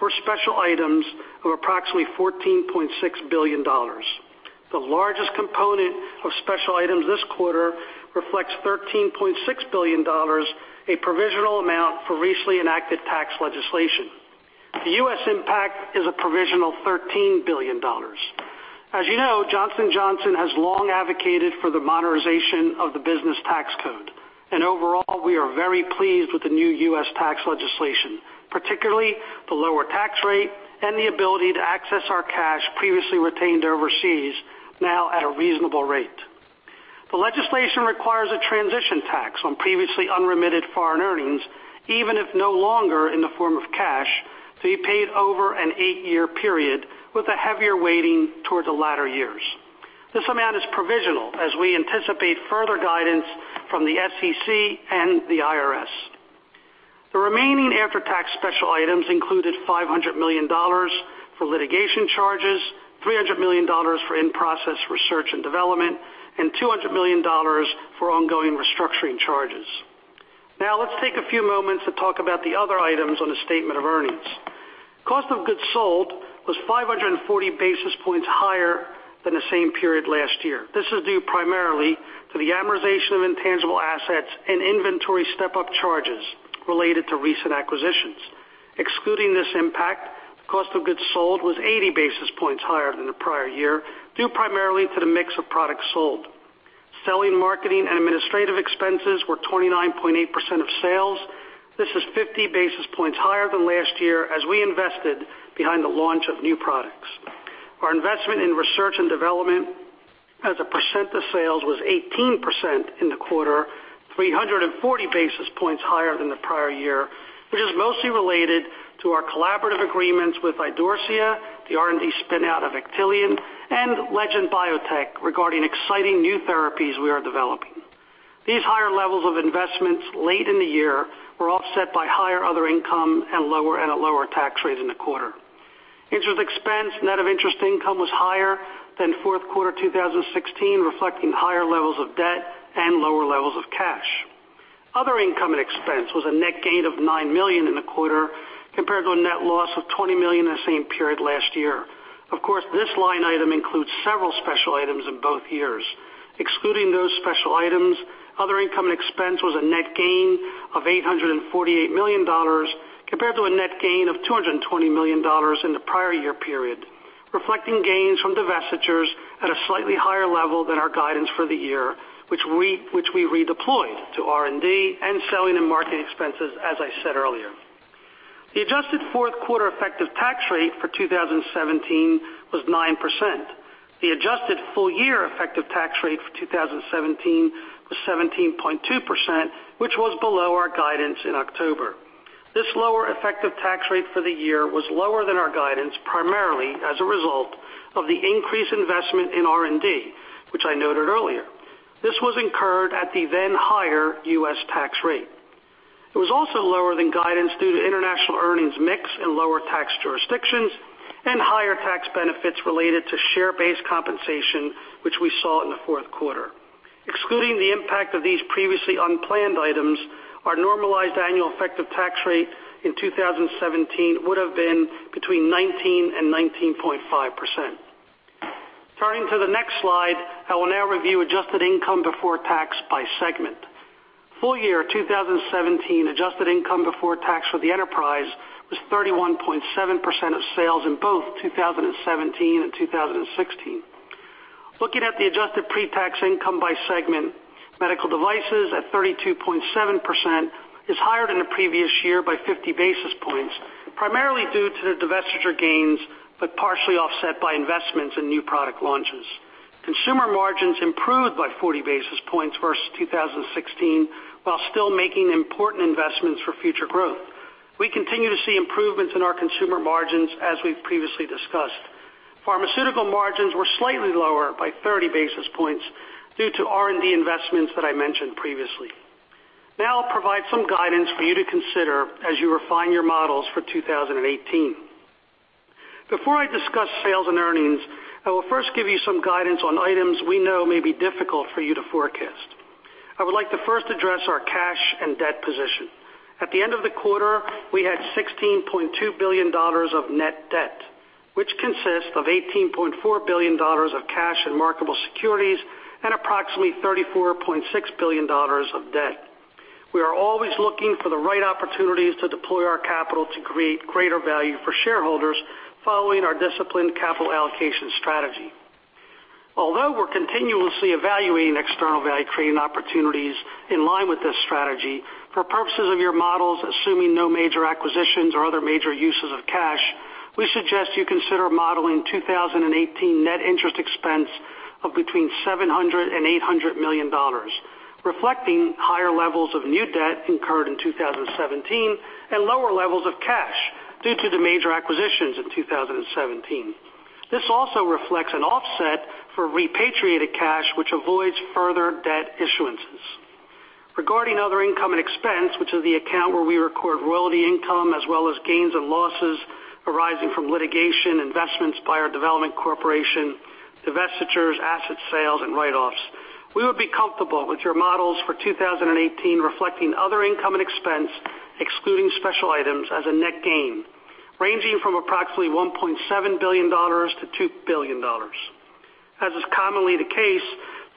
for special items of approximately $14.6 billion. The largest component of special items this quarter reflects $13.6 billion, a provisional amount for recently enacted tax legislation. The U.S. impact is a provisional $13 billion. As you know, Johnson & Johnson has long advocated for the modernization of the business tax code. Overall, we are very pleased with the new U.S. tax legislation, particularly the lower tax rate and the ability to access our cash previously retained overseas, now at a reasonable rate. The legislation requires a transition tax on previously unremitted foreign earnings, even if no longer in the form of cash, to be paid over an eight-year period with a heavier weighting toward the latter years. This amount is provisional as we anticipate further guidance from the SEC and the IRS. The remaining after-tax special items included $500 million for litigation charges, $300 million for in-process research and development, and $200 million for ongoing restructuring charges. Let's take a few moments to talk about the other items on the statement of earnings. Cost of goods sold was 540 basis points higher than the same period last year. This is due primarily to the amortization of intangible assets and inventory step-up charges related to recent acquisitions. Excluding this impact, cost of goods sold was 80 basis points higher than the prior year, due primarily to the mix of products sold. Selling, marketing and administrative expenses were 29.8% of sales. This is 50 basis points higher than last year as we invested behind the launch of new products. Our investment in research and development as a percent of sales was 18% in the quarter, 340 basis points higher than the prior year, which is mostly related to our collaborative agreements with Idorsia, the R&D spin-out of Actelion, and Legend Biotech regarding exciting new therapies we are developing. These higher levels of investments late in the year were offset by higher other income and a lower tax rate in the quarter. Interest expense, net of interest income was higher than fourth quarter 2016, reflecting higher levels of debt and lower levels of cash. Other income and expense was a net gain of $9 million in the quarter compared to a net loss of $20 million in the same period last year. Of course, this line item includes several special items in both years. Excluding those special items, other income and expense was a net gain of $848 million compared to a net gain of $220 million in the prior year period, reflecting gains from divestitures at a slightly higher level than our guidance for the year, which we redeployed to R&D and selling and marketing expenses, as I said earlier. The adjusted fourth quarter effective tax rate for 2017 was 9%. The adjusted full year effective tax rate for 2017 was 17.2%, which was below our guidance in October. This lower effective tax rate for the year was lower than our guidance, primarily as a result of the increased investment in R&D, which I noted earlier. This was incurred at the then higher U.S. tax rate. It was also lower than guidance due to international earnings mix and lower tax jurisdictions and higher tax benefits related to share-based compensation, which we saw in the fourth quarter. Excluding the impact of these previously unplanned items, our normalized annual effective tax rate in 2017 would have been between 19% and 19.5%. Turning to the next slide, I will now review adjusted income before tax by segment. Full year 2017 adjusted income before tax for the enterprise was 31.7% of sales in both 2017 and 2016. Looking at the adjusted pre-tax income by segment, Medical Devices at 32.7% is higher than the previous year by 50 basis points, primarily due to the divestiture gains, but partially offset by investments in new product launches. Consumer margins improved by 40 basis points versus 2016 while still making important investments for future growth. We continue to see improvements in our consumer margins as we've previously discussed. Pharmaceutical margins were slightly lower by 30 basis points due to R&D investments that I mentioned previously. I'll provide some guidance for you to consider as you refine your models for 2018. Before I discuss sales and earnings, I will first give you some guidance on items we know may be difficult for you to forecast. I would like to first address our cash and debt position. At the end of the quarter, we had $16.2 billion of net debt. Which consists of $18.4 billion of cash and marketable securities and approximately $34.6 billion of debt. We are always looking for the right opportunities to deploy our capital to create greater value for shareholders following our disciplined capital allocation strategy. Although we're continuously evaluating external value-creating opportunities in line with this strategy, for purposes of your models, assuming no major acquisitions or other major uses of cash, we suggest you consider modeling 2018 net interest expense of between $700 million-$800 million, reflecting higher levels of new debt incurred in 2017 and lower levels of cash due to the major acquisitions in 2017. This also reflects an offset for repatriated cash, which avoids further debt issuances. Regarding other income and expense, which is the account where we record royalty income as well as gains and losses arising from litigation, investments by our Development Corporation, divestitures, asset sales, and write-offs, we would be comfortable with your models for 2018 reflecting other income and expense, excluding special items as a net gain ranging from approximately $1.7 billion-$2 billion. As is commonly the case,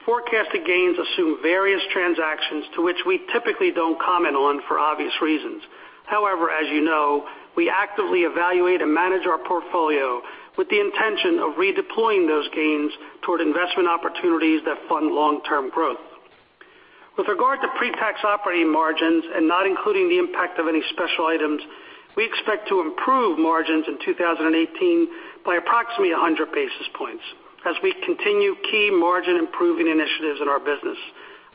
forecasted gains assume various transactions to which we typically don't comment on for obvious reasons. However, as you know, we actively evaluate and manage our portfolio with the intention of redeploying those gains toward investment opportunities that fund long-term growth. With regard to pre-tax operating margins and not including the impact of any special items, we expect to improve margins in 2018 by approximately 100 basis points as we continue key margin-improving initiatives in our business.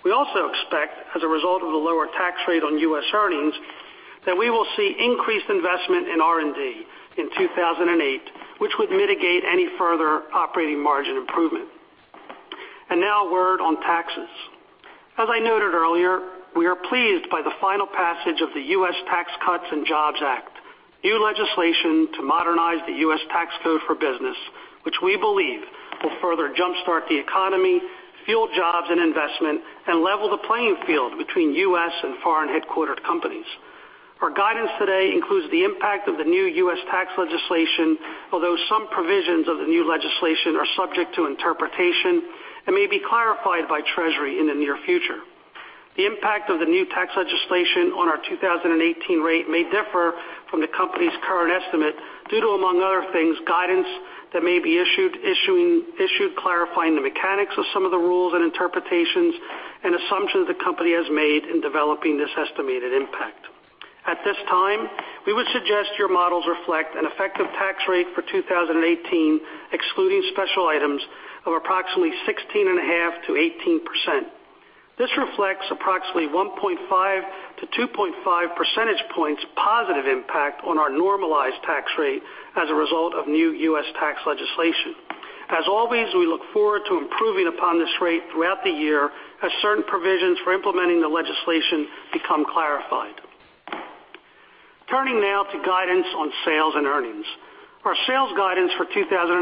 We also expect, as a result of the lower tax rate on U.S. earnings, that we will see increased investment in R&D in 2008, which would mitigate any further operating margin improvement. Now a word on taxes. As I noted earlier, we are pleased by the final passage of the U.S. Tax Cuts and Jobs Act, new legislation to modernize the U.S. tax code for business, which we believe will further jumpstart the economy, fuel jobs and investment, and level the playing field between U.S. and foreign headquartered companies. Our guidance today includes the impact of the new U.S. tax legislation, although some provisions of the new legislation are subject to interpretation and may be clarified by Treasury in the near future. The impact of the new tax legislation on our 2018 rate may differ from the company's current estimate due to, among other things, guidance that may be issued clarifying the mechanics of some of the rules and interpretations and assumptions the company has made in developing this estimated impact. At this time, we would suggest your models reflect an effective tax rate for 2018, excluding special items, of approximately 16.5%-18%. This reflects approximately 1.5-2.5 percentage points positive impact on our normalized tax rate as a result of new U.S. tax legislation. As always, we look forward to improving upon this rate throughout the year as certain provisions for implementing the legislation become clarified. Turning now to guidance on sales and earnings. Our sales guidance for 2018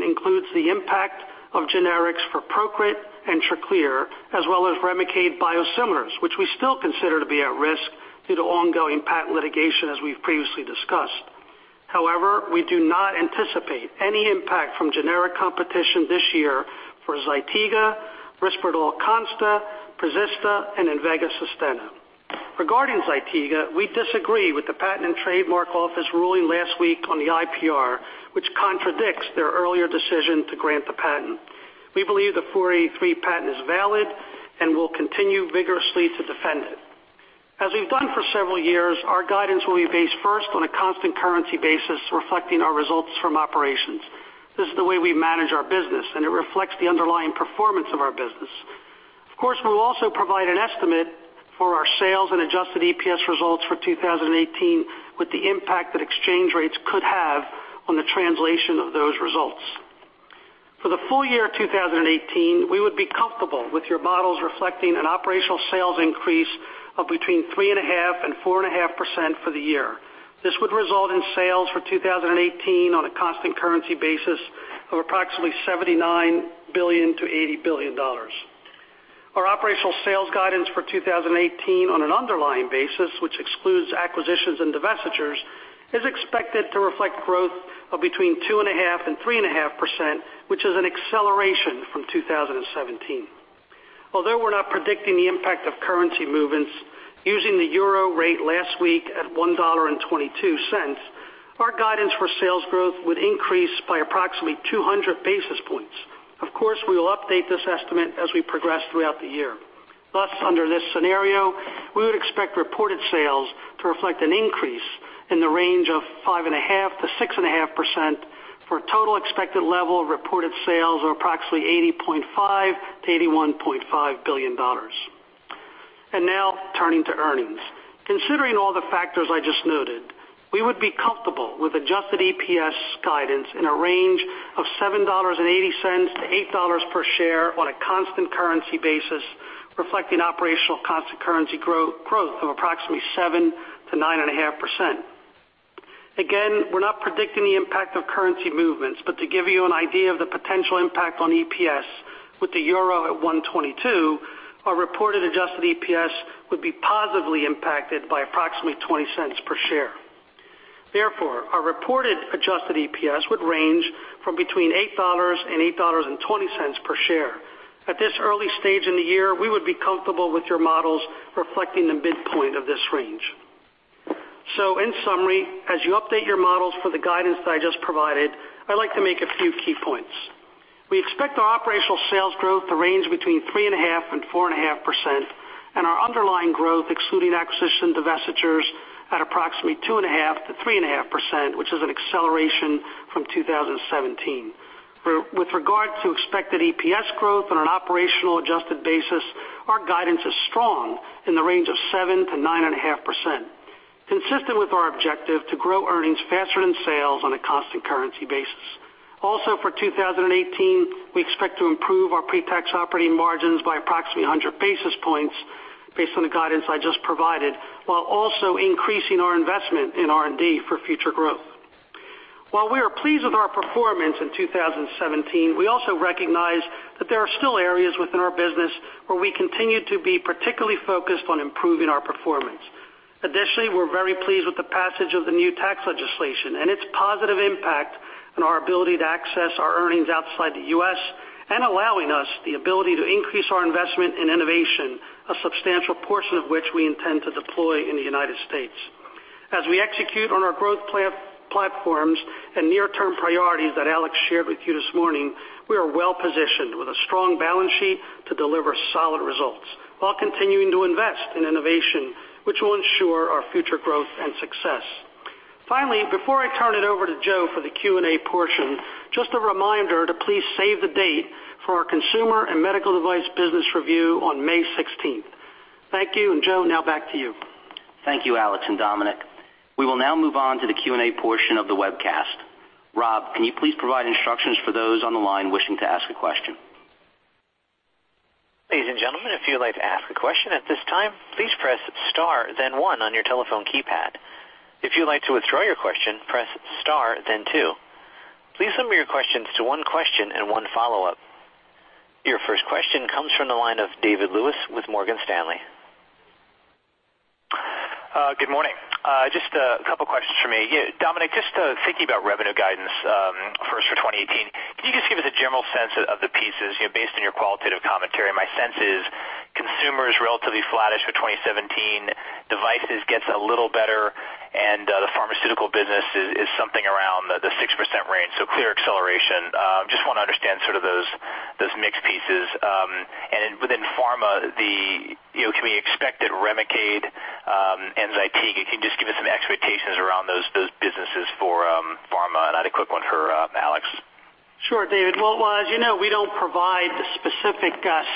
includes the impact of generics for PROCRIT and TRACLEER, as well as REMICADE biosimilars, which we still consider to be at risk due to ongoing patent litigation as we've previously discussed. We do not anticipate any impact from generic competition this year for ZYTIGA, RISPERDAL CONSTA, PREZISTA, and INVEGA SUSTENNA. Regarding ZYTIGA, we disagree with the Patent and Trademark Office ruling last week on the IPR, which contradicts their earlier decision to grant the patent. We believe the 483 patent is valid and will continue vigorously to defend it. As we've done for several years, our guidance will be based first on a constant currency basis reflecting our results from operations. This is the way we manage our business, and it reflects the underlying performance of our business. Of course, we will also provide an estimate for our sales and adjusted EPS results for 2018 with the impact that exchange rates could have on the translation of those results. For the full year 2018, we would be comfortable with your models reflecting an operational sales increase of between 3.5%-4.5% for the year. This would result in sales for 2018 on a constant currency basis of approximately $79 billion-$80 billion. Our operational sales guidance for 2018 on an underlying basis, which excludes acquisitions and divestitures, is expected to reflect growth of between 2.5% and 3.5%, which is an acceleration from 2017. Although we're not predicting the impact of currency movements using the euro rate last week at $1.22, our guidance for sales growth would increase by approximately 200 basis points. Of course, we will update this estimate as we progress throughout the year. Thus, under this scenario, we would expect reported sales to reflect an increase in the range of 5.5%-6.5% for a total expected level of reported sales of approximately $80.5 billion-$81.5 billion. Now turning to earnings. Considering all the factors I just noted, we would be comfortable with adjusted EPS guidance in a range of $7.80-$8.00 per share on a constant currency basis, reflecting operational constant currency growth of approximately 7%-9.5%. We're not predicting the impact of currency movements, but to give you an idea of the potential impact on EPS. With the euro at 1.22, our reported adjusted EPS would be positively impacted by approximately $0.20 per share. Our reported adjusted EPS would range from between $8.00 and $8.20 per share. At this early stage in the year, we would be comfortable with your models reflecting the midpoint of this range. In summary, as you update your models for the guidance that I just provided, I'd like to make a few key points. We expect our operational sales growth to range between 3.5% and 4.5%, and our underlying growth excluding acquisition divestitures at approximately 2.5%-3.5%, which is an acceleration from 2017. With regard to expected EPS growth on an operational adjusted basis, our guidance is strong in the range of 7%-9.5%, consistent with our objective to grow earnings faster than sales on a constant currency basis. For 2018, we expect to improve our pretax operating margins by approximately 100 basis points based on the guidance I just provided, while also increasing our investment in R&D for future growth. While we are pleased with our performance in 2017, we also recognize that there are still areas within our business where we continue to be particularly focused on improving our performance. Additionally, we're very pleased with the passage of the new tax legislation and its positive impact on our ability to access our earnings outside the U.S. and allowing us the ability to increase our investment in innovation, a substantial portion of which we intend to deploy in the United States. As we execute on our growth platforms and near-term priorities that Alex shared with you this morning, we are well positioned with a strong balance sheet to deliver solid results while continuing to invest in innovation, which will ensure our future growth and success. Finally, before I turn it over to Joe for the Q&A portion, just a reminder to please save the date for our consumer and medical device business review on May 16th. Thank you, Joe, now back to you.
Thank you, Alex and Dominic. We will now move on to the Q&A portion of the webcast. Rob, can you please provide instructions for those on the line wishing to ask a question?
Ladies and gentlemen, if you'd like to ask a question at this time, please press star then one on your telephone keypad. If you'd like to withdraw your question, press star then two. Please limit your questions to one question and one follow-up. Your first question comes from the line of David Lewis with Morgan Stanley.
Good morning. Just a couple of questions for me. Dominic, just thinking about revenue guidance, first for 2018, can you just give us a general sense of the pieces, you know, based on your qualitative commentary? My sense is consumer is relatively flattish for 2017. Devices gets a little better, and the pharmaceutical business is something around the 6% range, so clear acceleration. Just wanna understand sort of those mix pieces. Within pharma, you know, can we expect that Remicade and ZYTIGA, can you just give us some expectations around those businesses for pharma? I had a quick one for Alex.
Sure, David. Well, as you know, we don't provide the specific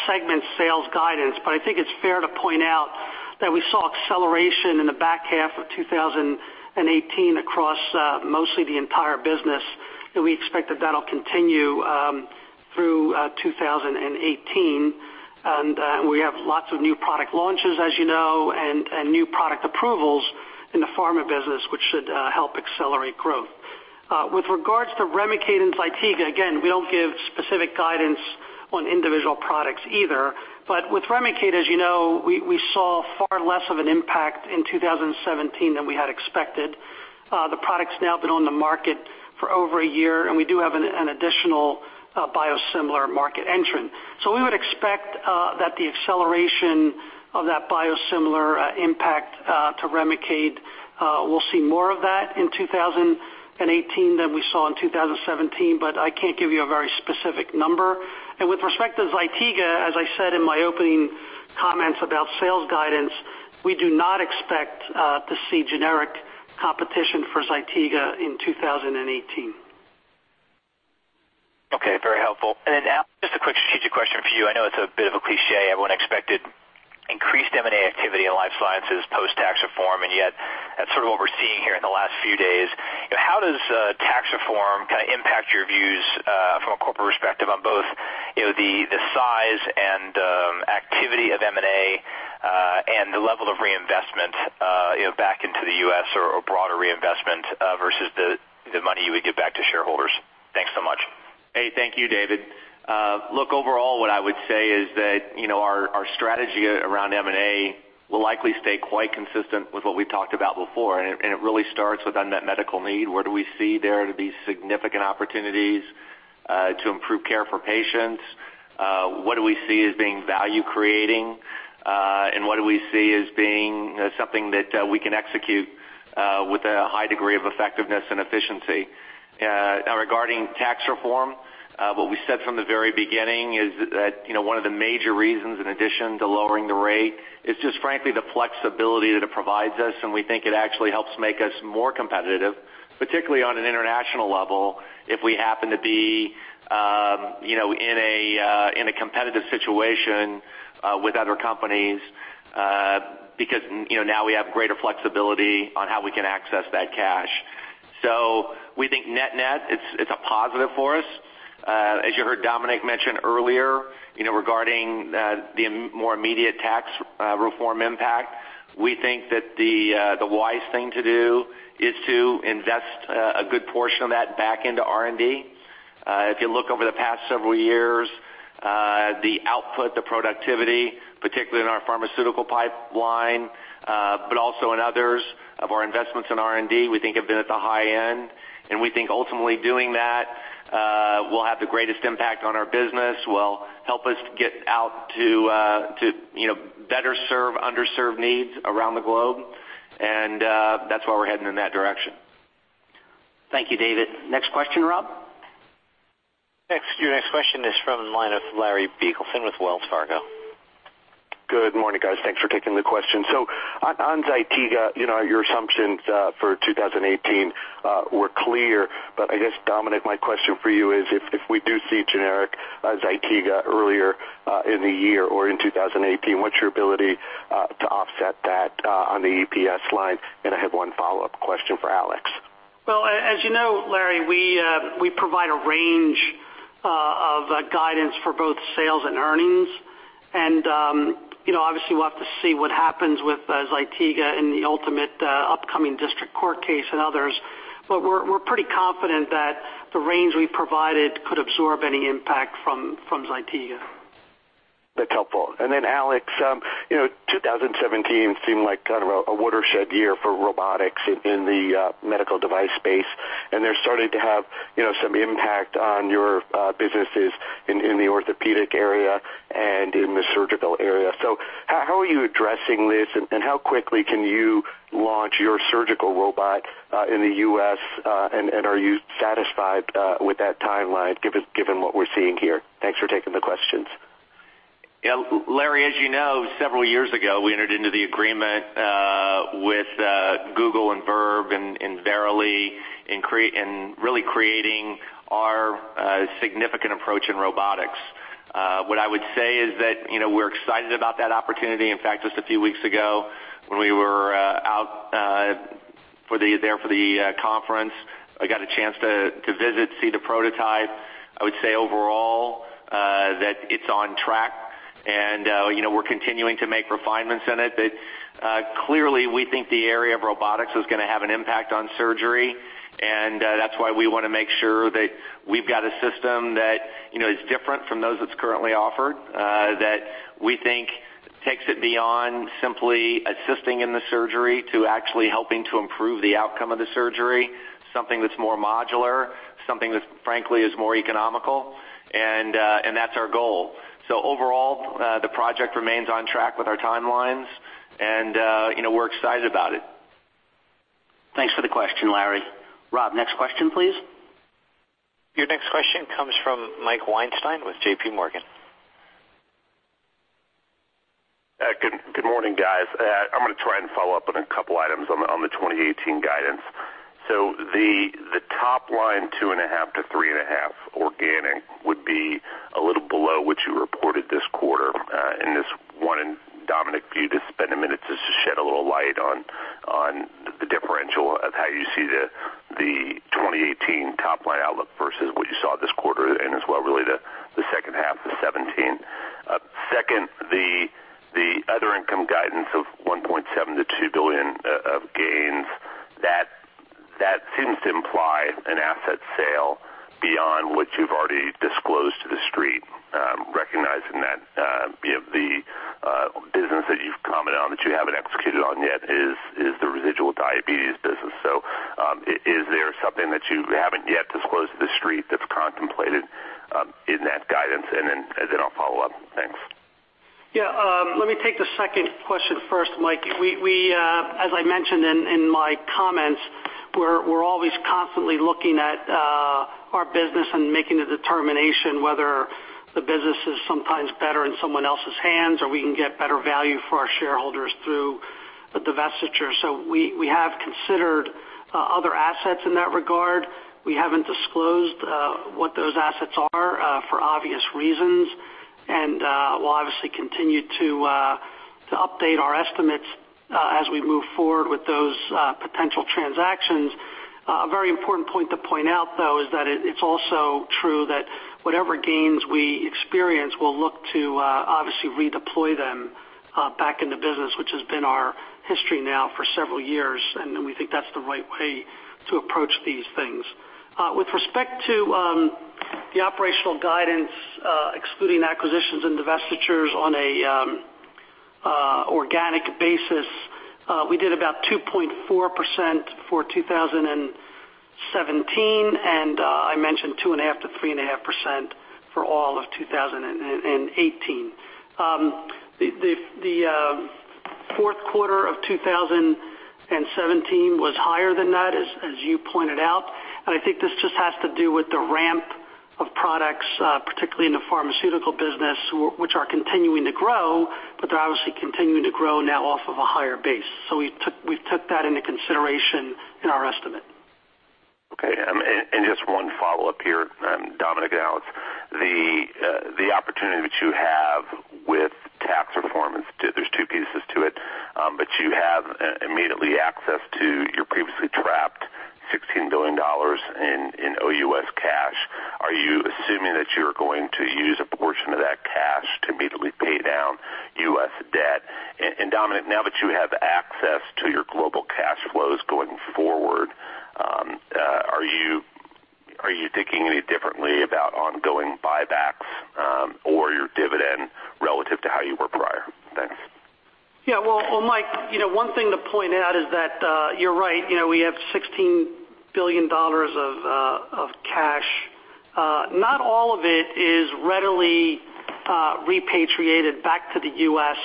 segment sales guidance, I think it's fair to point out that we saw acceleration in the back half of 2018 across mostly the entire business, and we expect that that'll continue through 2018. We have lots of new product launches, as you know, and new product approvals in the pharma business, which should help accelerate growth. With regards to REMICADE and ZYTIGA, again, we don't give specific guidance on individual products either. With REMICADE, as you know, we saw far less of an impact in 2017 than we had expected. The product's now been on the market for over a year, and we do have an additional biosimilar market entrant. We would expect that the acceleration of that biosimilar impact to Remicade, we'll see more of that in 2018 than we saw in 2017, but I can't give you a very specific number. With respect to ZYTIGA, as I said in my opening comments about sales guidance, we do not expect to see generic competition for ZYTIGA in 2018.
Okay, very helpful. Alex, just a quick strategic question for you. I know it's a bit of a cliché. Everyone expected increased M&A activity in life sciences post-Tax reform, and yet that's sort of what we're seeing here in the last few days. How does Tax reform kind of impact your views from a corporate perspective on both, you know, the size and activity of M&A, and the level of reinvestment, you know, back into the U.S. or broader reinvestment, versus the money you would give back to shareholders? Thanks so much.
Hey, thank you, David. Look, overall, what I would say is that, you know, our strategy around M&A will likely stay quite consistent with what we've talked about before, and it really starts with unmet medical need. Where do we see there to be significant opportunities to improve care for patients? What do we see as being value creating, and what do we see as being something that we can execute with a high degree of effectiveness and efficiency? Now regarding tax reform, what we said from the very beginning is that, you know, one of the major reasons in addition to lowering the rate is just frankly the flexibility that it provides us, and we think it actually helps make us more competitive, particularly on an international level, if we happen to be, you know, in a competitive situation with other companies, because you know, now we have greater flexibility on how we can access that cash. We think net-net, it's a positive for us. As you heard Dominic mention earlier, you know, regarding the more immediate tax reform impact. We think that the wise thing to do is to invest a good portion of that back into R&D. If you look over the past several years, the output, the productivity, particularly in our pharmaceutical pipeline, but also in others of our investments in R&D, we think have been at the high end. We think ultimately doing that will have the greatest impact on our business, will help us get out to, you know, better serve underserved needs around the globe. That's why we're heading in that direction.
Thank you, David. Next question, Rob.
Your next question is from the line of Larry Biegelsen with Wells Fargo.
Good morning, guys. Thanks for taking the questions. On ZYTIGA, you know, your assumptions for 2018 were clear. I guess, Dominic, my question for you is, if we do see generic ZYTIGA earlier in the year or in 2018, what's your ability to offset that on the EPS line? I have one follow-up question for Alex.
Well, as you know, Larry, we provide a range of guidance for both sales and earnings. You know, obviously we'll have to see what happens with ZYTIGA in the ultimate upcoming district court case and others. We're pretty confident that the range we provided could absorb any impact from ZYTIGA.
That's helpful. Alex, you know, 2017 seemed like kind of a watershed year for robotics in the medical device space, and they're starting to have, you know, some impact on your businesses in the orthopedic area and in the surgical area. How are you addressing this, and how quickly can you launch your surgical robot in the U.S., and are you satisfied with that timeline given what we're seeing here? Thanks for taking the questions.
Yeah. Larry, as you know, several years ago, we entered into the agreement with Google and Verb and Verily in really creating our significant approach in robotics. What I would say is that, you know, we're excited about that opportunity. In fact, just a few weeks ago, when we were out there for the conference, I got a chance to visit, see the prototype. I would say overall, that it's on track and, you know, we're continuing to make refinements in it. Clearly, we think the area of robotics is gonna have an impact on surgery, and that's why we wanna make sure that we've got a system that, you know, is different from those that's currently offered, that we think takes it beyond simply assisting in the surgery to actually helping to improve the outcome of the surgery. Something that's more modular, something that, frankly, is more economical, and that's our goal. Overall, the project remains on track with our timelines, and, you know, we're excited about it.
Thanks for the question, Larry. Rob, next question, please.
Your next question comes from Mike Weinstein with JPMorgan.
Good morning, guys. I'm gonna try and follow up on a couple items on the 2018 guidance. The top line, 2.5%-3.5% organic would be a little below what you reported this quarter. Just wondering, Dominic, for you to spend a minute just to shed a little light on the differential of how you see the 2018 top line outlook versus what you saw this quarter and as well really the second half of 2017. Second, the other income guidance of $1.7 billion-$2 billion of gains, that seems to imply an asset sale beyond what you've already disclosed to the street, recognizing that, you know, the business that you've commented on that you haven't executed on yet is the residual diabetes business. Is there something that you haven't yet disclosed to the street that's contemplated in that guidance? Then I'll follow up. Thanks.
Let me take the second question first, Mike. We, as I mentioned in my comments, we're always constantly looking at our business and making a determination whether the business is sometimes better in someone else's hands or we can get better value for our shareholders through a divestiture. We have considered other assets in that regard. We haven't disclosed what those assets are for obvious reasons. We'll obviously continue to update our estimates as we move forward with those potential transactions. A very important point to point out, though, is that it's also true that whatever gains we experience, we'll look to obviously redeploy them back in the business, which has been our history now for several years, and we think that's the right way to approach these things. With respect to the operational guidance, excluding acquisitions and divestitures on an organic basis, we did about 2.4% for 2017, and I mentioned 2.5%-3.5% for all of 2018. The fourth quarter of 2017 was higher than that, as you pointed out. I think this just has to do with the ramp of products, particularly in the pharmaceutical business, which are continuing to grow, but they're obviously continuing to grow now off of a higher base. We took that into consideration in our estimate.
Okay. Just one follow-up here, Dominic and Alex. The opportunity that you have with tax reform, and there's two pieces to it. But you have immediately access to your previously trapped $16 billion in OUS cash. Are you assuming that you're going to use a portion of that cash to immediately pay down U.S. debt? Dominic, now that you have access to your global cash flows going forward, are you thinking any differently about ongoing buybacks or your dividend relative to how you were prior? Thanks.
Well, Mike, you know, one thing to point out is that you're right. You know, we have $16 billion of cash. Not all of it is readily repatriated back to the U.S.,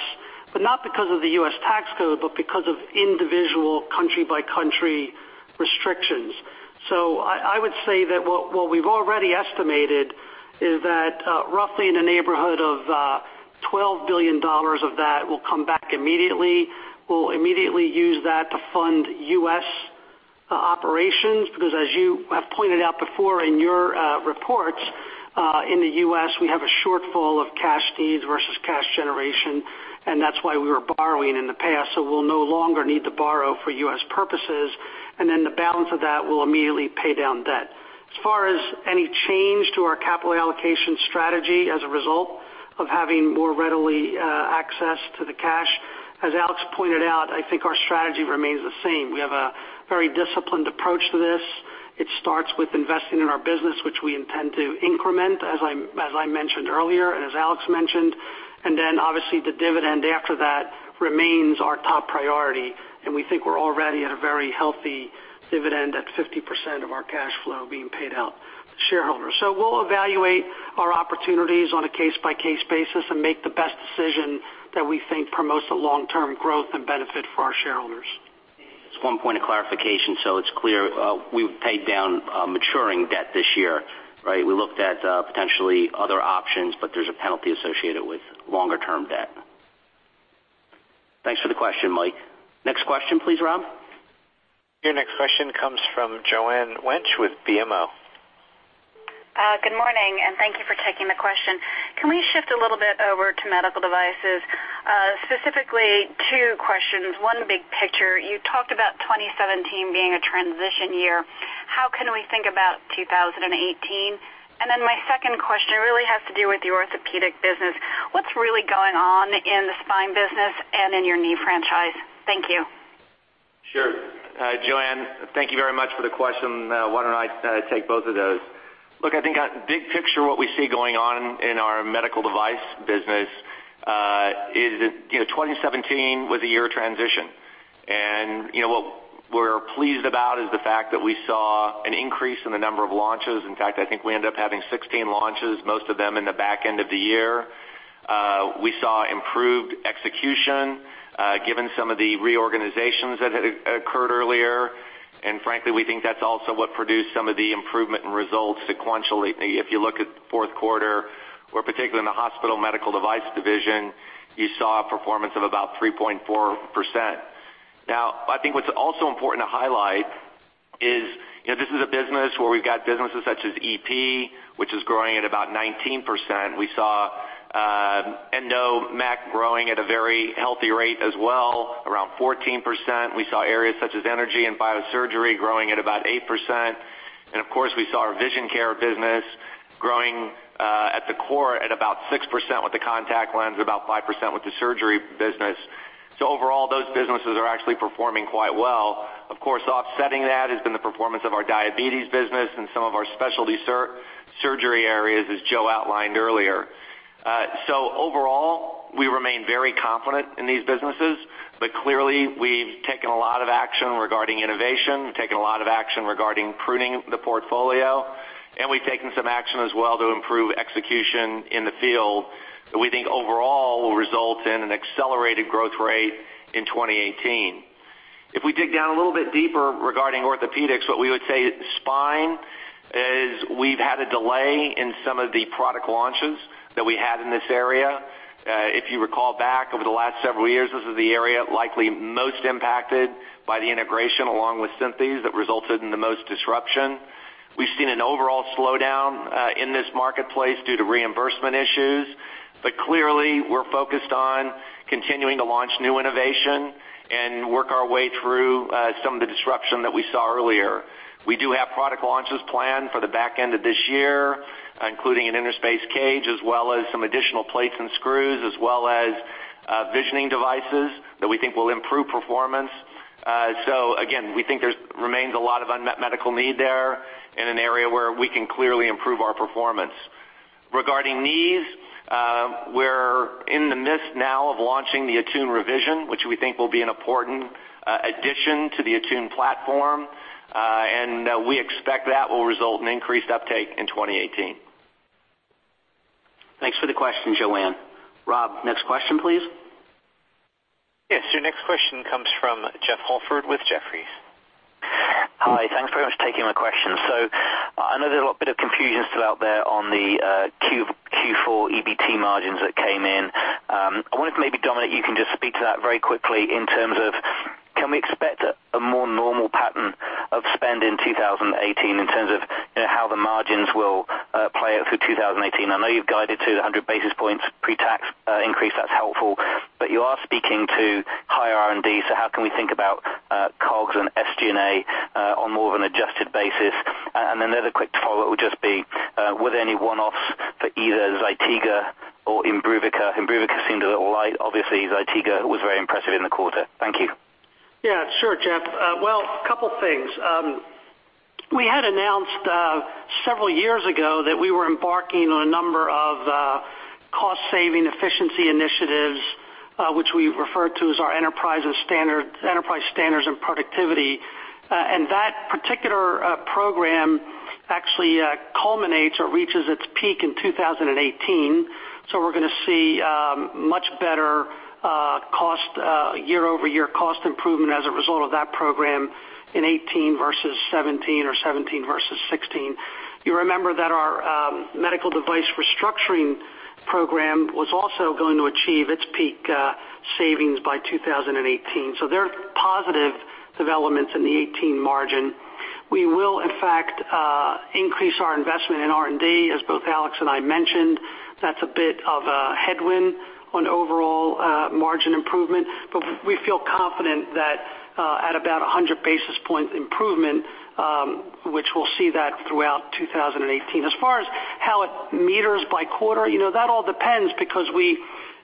but not because of the U.S. tax code, but because of individual country by country restrictions. I would say that what we've already estimated is that roughly in the neighborhood of $12 billion of that will come back immediately. We'll immediately use that to fund U.S. operations because as you have pointed out before in your reports, in the U.S., we have a shortfall of cash needs versus cash generation, and that's why we were borrowing in the past. We'll no longer need to borrow for U.S. purposes, and then the balance of that will immediately pay down debt. As far as any change to our capital allocation strategy as a result of having more readily access to the cash, as Alex pointed out, I think our strategy remains the same. We have a very disciplined approach to this. It starts with investing in our business, which we intend to increment, as I mentioned earlier, and as Alex mentioned. Obviously the dividend after that remains our top priority, and we think we're already at a very healthy dividend at 50% of our cash flow being paid out to shareholders. We'll evaluate our opportunities on a case by case basis and make the best decision that we think promotes the long-term growth and benefit for our shareholders. Just one point of clarification so it's clear. We've paid down maturing debt this year, right? We looked at potentially other options, there's a penalty associated with longer term debt.
Thanks for the question, Mike. Next question, please, Rob.
Your next question comes from Joanne Wuensch with BMO.
Good morning, thank you for taking the question. Can we shift a little bit over to medical devices? Specifically, two questions. One big picture. You talked about 2017 being a transition year. How can we think about 2018? My second question really has to do with the orthopedic business. What's really going on in the spine business and in your knee franchise? Thank you.
Sure. Joanne, thank you very much for the question. Why don't I take both of those? Look, I think, big picture, what we see going on in our medical device business, is that, you know, 2017 was a year of transition. What we're pleased about is the fact that we saw an increase in the number of launches. In fact, I think we ended up having 16 launches, most of them in the back end of the year. We saw improved execution, given some of the reorganizations that had occurred earlier. Frankly, we think that's also what produced some of the improvement in results sequentially. If you look at the fourth quarter or particularly in the hospital medical device division, you saw a performance of about 3.4%. I think what's also important to highlight is, you know, this is a business where we've got businesses such as EP, which is growing at about 19%. We saw Endocutters, MEC growing at a very healthy rate as well, around 14%. We saw areas such as Energy and Biosurgery growing at about 8%. Of course, we saw our Vision Care business growing at the core at about 6% with the contact lens, about 5% with the surgery business. Overall, those businesses are actually performing quite well. Of course, offsetting that has been the performance of our diabetes business and some of our specialty surgery areas, as Joe outlined earlier. Overall, we remain very confident in these businesses, but clearly we've taken a lot of action regarding innovation, taken a lot of action regarding pruning the portfolio, and we've taken some action as well to improve execution in the field that we think overall will result in an accelerated growth rate in 2018. If we dig down a little bit deeper regarding orthopedics, what we would say spine is we've had a delay in some of the product launches that we had in this area. If you recall back over the last several years, this is the area likely most impacted by the integration along with Synthes that resulted in the most disruption. We've seen an overall slowdown in this marketplace due to reimbursement issues. Clearly, we're focused on continuing to launch new innovation and work our way through some of the disruption that we saw earlier. We do have product launches planned for the back end of this year, including an interspace cage, as well as some additional plates and screws, as well as visioning devices that we think will improve performance. Again, we think there remains a lot of unmet medical need there in an area where we can clearly improve our performance. Regarding knees, we're in the midst now of launching the ATTUNE Revision, which we think will be an important addition to the ATTUNE platform. We expect that will result in increased uptake in 2018.
Thanks for the question, Joanne. Rob, next question, please.
Yes, your next question comes from Jeff Holford with Jefferies.
Hi. Thanks very much for taking my question. I know there's a little bit of confusion still out there on the Q4 EBT margins that came in. I wonder if maybe, Dominic, you can just speak to that very quickly in terms of can we expect a more normal pattern of spend in 2018 in terms of, you know, how the margins will play out through 2018? I know you've guided to the 100 basis points pre-tax increase. That's helpful. You are speaking to higher R&D, how can we think about COGS and SG&A on more of an adjusted basis? Another quick follow-up would just be, were there any one-offs for either ZYTIGA or IMBRUVICA? IMBRUVICA seemed a little light. Obviously, ZYTIGA was very impressive in the quarter. Thank you.
Yeah, sure, Jeff. Well, a couple things. We had announced several years ago that we were embarking on a number of cost-saving efficiency initiatives, which we refer to as our Enterprise Standards and Productivity. That particular program actually culminates or reaches its peak in 2018. We're gonna see much better cost year-over-year cost improvement as a result of that program in 2018 versus 2017 or 2017 versus 2016. You remember that our Medical Device Restructuring Program was also going to achieve its peak savings by 2018. There are positive developments in the 2018 margin. We will in fact increase our investment in R&D, as both Alex and I mentioned. That's a bit of a headwind on overall margin improvement. We feel confident that, at about 100 basis point improvement, which we'll see that throughout 2018. As far as how it meters by quarter, you know, that all depends because we,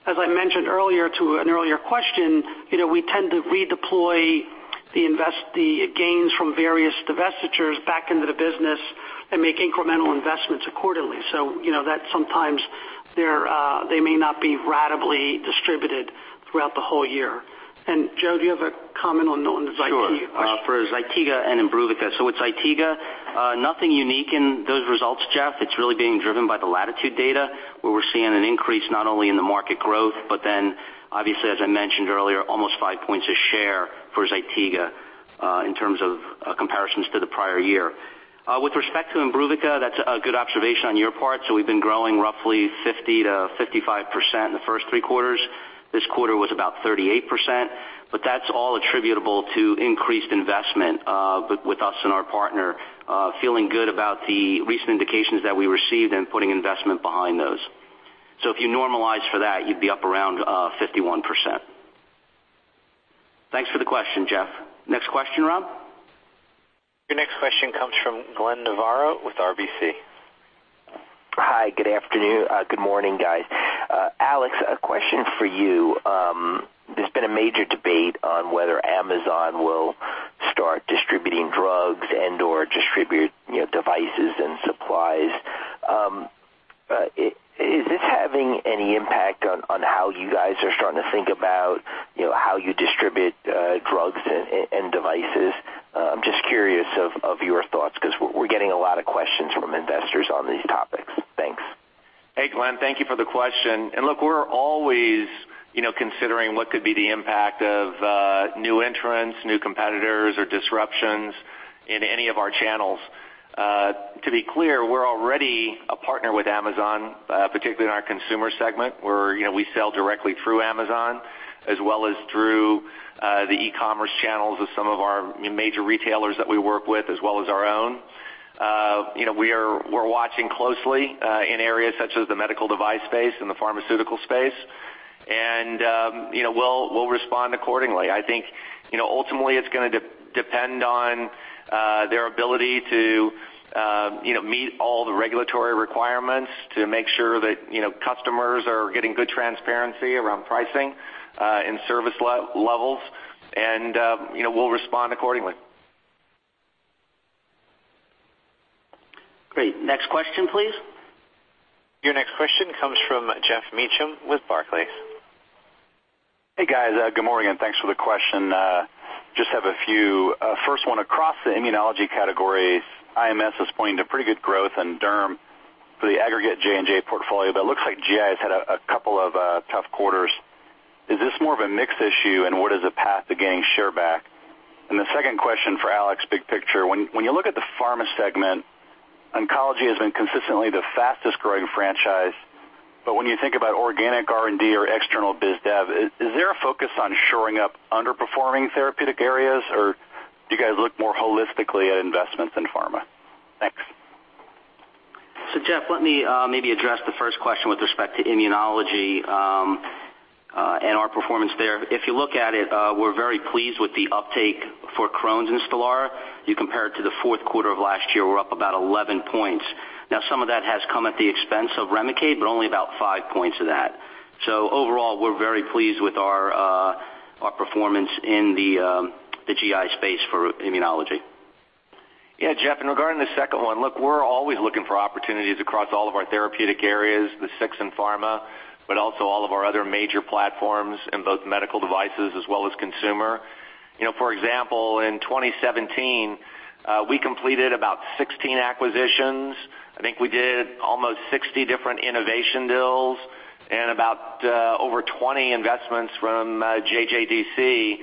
as I mentioned earlier to an earlier question, you know, we tend to redeploy the gains from various divestitures back into the business and make incremental investments accordingly. You know that sometimes they're, they may not be ratably distributed throughout the whole year. Joe, do you have a comment on the ZYTIGA question?
Sure. For ZYTIGA and IMBRUVICA. With ZYTIGA, nothing unique in those results, Jeff. It's really being driven by the LATITUDE data, where we're seeing an increase not only in the market growth, obviously, as I mentioned earlier, almost 5 points a share for ZYTIGA, in terms of comparisons to the prior year. With respect to IMBRUVICA, that's a good observation on your part. We've been growing roughly 50%-55% in the first three quarters. This quarter was about 38%, that's all attributable to increased investment, with us and our partner, feeling good about the recent indications that we received and putting investment behind those. If you normalize for that, you'd be up around 51%. Thanks for the question, Jeff. Next question, Rob.
Your next question comes from Glenn Novarro with RBC.
Hi, good afternoon. Good morning, guys. Alex, a question for you. There's been a major debate on whether Amazon will start distributing drugs and/or distribute, you know, devices and supplies. Is this having any impact on how you guys are starting to think about, you know, how you distribute drugs and devices? I'm just curious of your thoughts 'cause we're getting a lot of questions from investors on these topics. Thanks.
Hey, Glenn. Thank you for the question. Look, we're always, you know, considering what could be the impact of new entrants, new competitors or disruptions in any of our channels. To be clear, we're already a partner with Amazon, particularly in our consumer segment, where, you know, we sell directly through Amazon as well as through the e-commerce channels of some of our major retailers that we work with, as well as our own. You know, we're watching closely in areas such as the medical device space and the pharmaceutical space. You know, we'll respond accordingly. I think, you know, ultimately it's gonna depend on their ability to, you know, meet all the regulatory requirements to make sure that, you know, customers are getting good transparency around pricing and service levels and, you know, we'll respond accordingly.
Great. Next question, please.
Your next question comes from Geoff Meacham with Barclays.
Hey, guys. Good morning, and thanks for the question. Just have a few. First one, across the immunology categories, IMS is pointing to pretty good growth in derm for the aggregate J&J portfolio, but it looks like GI has had a couple of tough quarters. Is this more of a mix issue, and what is the path to gaining share back? The second question for Alex, big picture. When you look at the pharma segment, oncology has been consistently the fastest growing franchise. When you think about organic R&D or external biz dev, is there a focus on shoring up underperforming therapeutic areas, or do you guys look more holistically at investments in pharma? Thanks.
Geoff, let me maybe address the first question with respect to immunology and our performance there. If you look at it, we're very pleased with the uptake for Crohn's in STELARA. You compare it to the fourth quarter of last year, we're up about 11 points. Some of that has come at the expense of REMICADE, but only about 5 points of that. Overall, we're very pleased with our performance in the GI space for immunology.
Yeah, Geoff, regarding the second one, look, we're always looking for opportunities across all of our therapeutic areas, the six in pharma, but also all of our other major platforms in both medical devices as well as consumer. You know, for example, in 2017, we completed about 16 acquisitions. I think we did almost 60 different innovation deals and about over 20 investments from JJDC.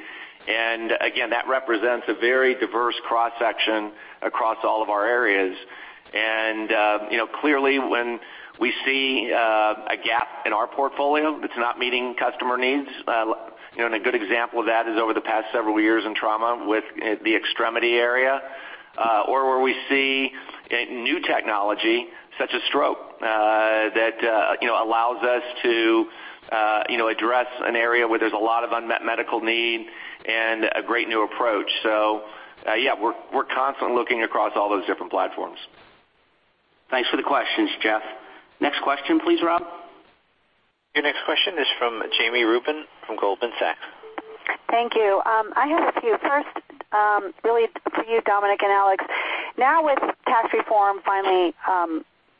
Again, that represents a very diverse cross-section across all of our areas. You know, clearly when we see a gap in our portfolio that's not meeting customer needs, you know, and a good example of that is over the past several years in trauma with the extremity area. Where we see a new technology such as stroke that, you know, allows us to, you know, address an area where there's a lot of unmet medical need and a great new approach. We're constantly looking across all those different platforms.
Thanks for the questions, Geoff. Next question please, Rob.
Your next question is from Jami Rubin from Goldman Sachs.
Thank you. I have a few. First, really to you, Dominic and Alex. With tax reform finally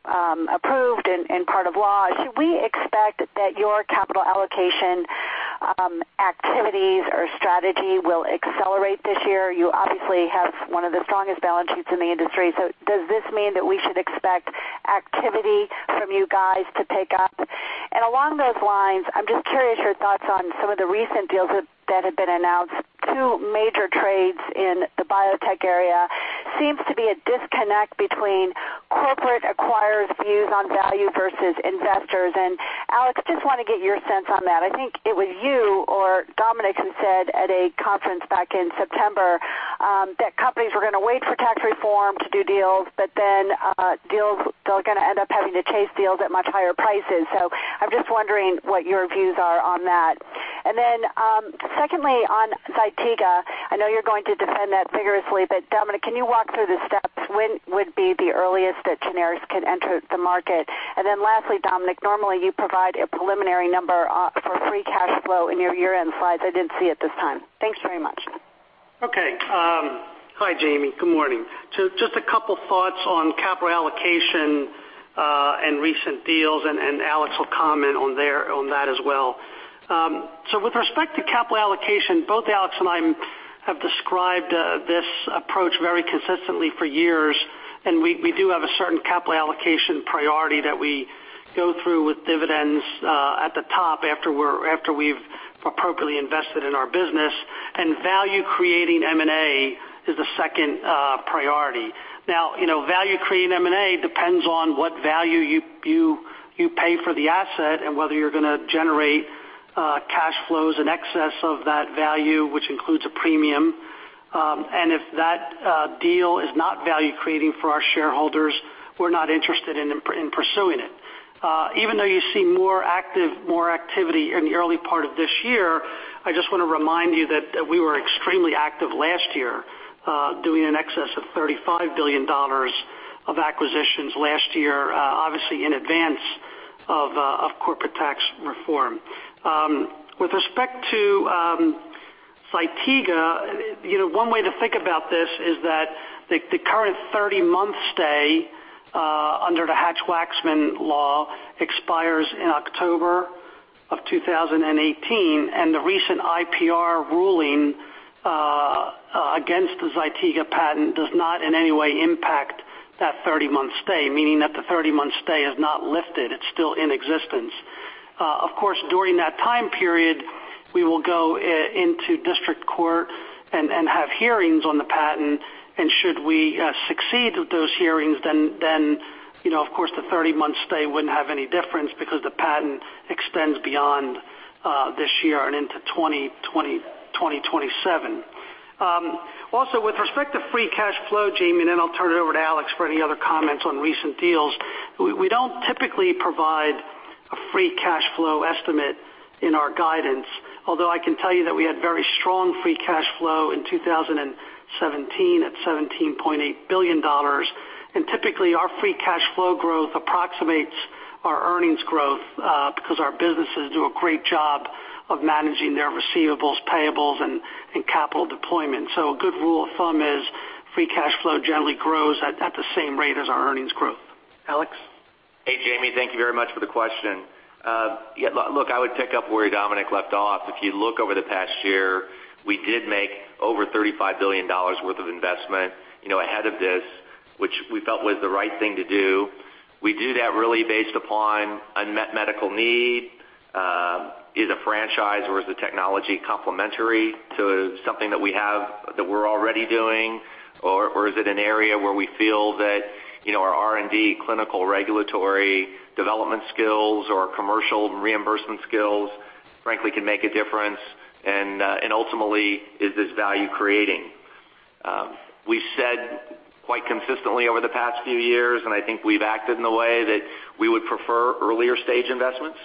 approved and part of law, should we expect that your capital allocation activities or strategy will accelerate this year? You obviously have one of the strongest balance sheets in the industry. Does this mean that we should expect activity from you guys to pick up? Along those lines, I'm just curious your thoughts on some of the recent deals that have been announced. Two major trades in the biotech area seems to be a disconnect between corporate acquirers' views on value versus investors. Alex, just wanna get your sense on that. I think it was you or Dominic who said at a conference back in September, that companies were gonna wait for tax reform to do deals, but then they're gonna end up having to chase deals at much higher prices. I'm just wondering what your views are on that. Secondly, on ZYTIGA, I know you're going to defend that vigorously, but Dominic, can you walk through the steps? When would be the earliest that generics can enter the market? Lastly, Dominic, normally you provide a preliminary number, for free cash flow in your year-end slides. I didn't see it this time. Thanks very much.
Okay. Hi, Jami. Good morning. Just a couple thoughts on capital allocation, and recent deals, and Alex will comment on that as well. With respect to capital allocation, both Alex and I have described this approach very consistently for years, and we do have a certain capital allocation priority that we go through with dividends at the top after we've appropriately invested in our business. Value creating M&A is the second priority. Now, you know, value creating M&A depends on what value you pay for the asset and whether you're gonna generate cash flows in excess of that value, which includes a premium. If that deal is not value creating for our shareholders, we're not interested in pursuing it. Even though you see more activity in the early part of this year, I just wanna remind you that we were extremely active last year, doing an excess of $35 billion of acquisitions last year, obviously in advance of corporate tax reform. With respect to ZYTIGA, you know, one way to think about this is that the current 30-month stay under the Hatch-Waxman Act expires in October 2018, and the recent IPR ruling against the ZYTIGA patent does not in any way impact that 30-month stay, meaning that the 30-month stay is not lifted. It's still in existence. Of course, during that time period, we will go into district court and have hearings on the patent, and should we succeed with those hearings, then, you know, of course, the 30-month stay wouldn't have any difference because the patent extends beyond this year and into 2027. Also with respect to free cash flow, Jami, then I'll turn it over to Alex for any other comments on recent deals. We don't typically provide a free cash flow estimate in our guidance, although I can tell you that we had very strong free cash flow in 2017 at $17.8 billion. Typically, our free cash flow growth approximates our earnings growth because our businesses do a great job of managing their receivables, payables, and capital deployment. A good rule of thumb is free cash flow generally grows at the same rate as our earnings growth. Alex?
Hey, Jami. Thank you very much for the question. Yeah, look, I would pick up where Dominic left off. If you look over the past year, we did make over $35 billion worth of investment, you know, ahead of this, which we felt was the right thing to do. We do that really based upon unmet medical need, is a franchise or is the technology complementary to something that we have that we're already doing, or is it an area where we feel that, you know, our R&D, clinical regulatory development skills or commercial reimbursement skills, frankly, can make a difference. Ultimately, is this value creating? We said quite consistently over the past few years, I think we've acted in the way that we would prefer earlier stage investments.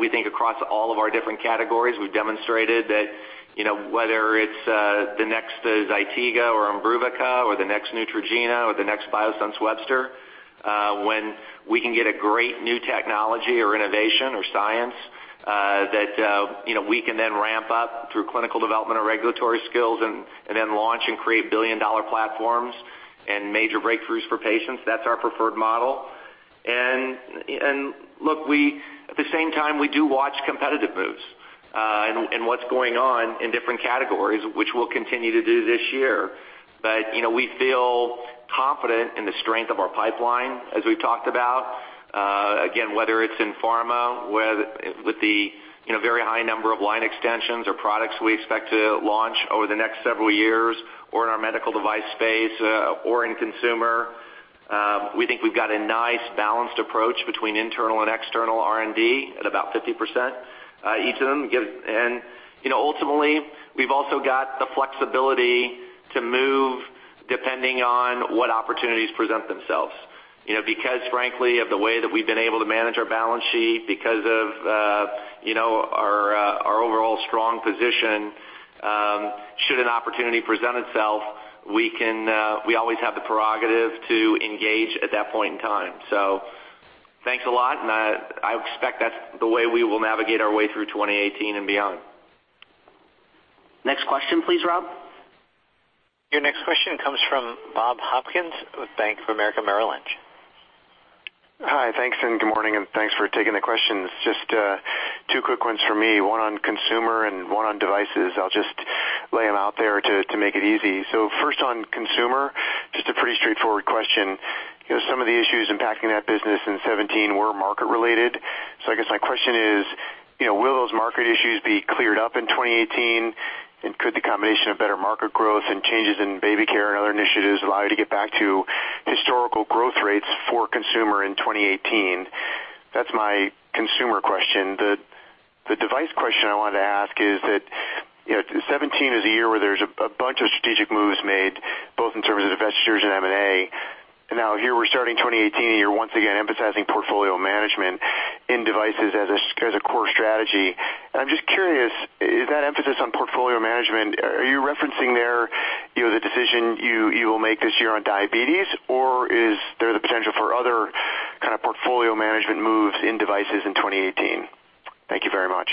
We think across all of our different categories, we've demonstrated that, you know, whether it's the next ZYTIGA or IMBRUVICA or the next Neutrogena or the next Biosense Webster, when we can get a great new technology or innovation or science, that, you know, we can then ramp up through clinical development or regulatory skills and then launch and create billion-dollar platforms and major breakthroughs for patients, that's our preferred model. Look, at the same time, we do watch competitive moves and what's going on in different categories, which we'll continue to do this year. You know, we feel confident in the strength of our pipeline, as we've talked about. Again, whether it's in pharma, with the, you know, very high number of line extensions or products we expect to launch over the next several years or in our medical device space, or in consumer. We think we've got a nice balanced approach between internal and external R&D at about 50%, each of them give. You know, ultimately, we've also got the flexibility to move depending on what opportunities present themselves. You know, because frankly, of the way that we've been able to manage our balance sheet, because of, you know, our overall strong position, should an opportunity present itself, we can, we always have the prerogative to engage at that point in time. Thanks a lot, and I expect that's the way we will navigate our way through 2018 and beyond.
Next question, please, Rob.
Your next question comes from Bob Hopkins with Bank of America Merrill Lynch.
Hi. Thanks, good morning, and thanks for taking the questions. Just 2 quick ones for me, one on consumer and one on devices. I'll just lay them out there to make it easy. First on consumer, just a pretty straightforward question. You know, some of the issues impacting that business in 17 were market related. I guess my question is, you know, will those market issues be cleared up in 2018? Could the combination of better market growth and changes in baby care and other initiatives allow you to get back to historical growth rates for consumer in 2018? That's my consumer question. The device question I wanted to ask is that, you know, 17 is a year where there's a bunch of strategic moves made, both in terms of investors and M&A. We're starting 2018, you're once again emphasizing portfolio management in devices as a core strategy. I'm just curious, is that emphasis on portfolio management, are you referencing there, you know, the decision you will make this year on diabetes, or is there the potential for other kind of portfolio management moves in devices in 2018? Thank you very much.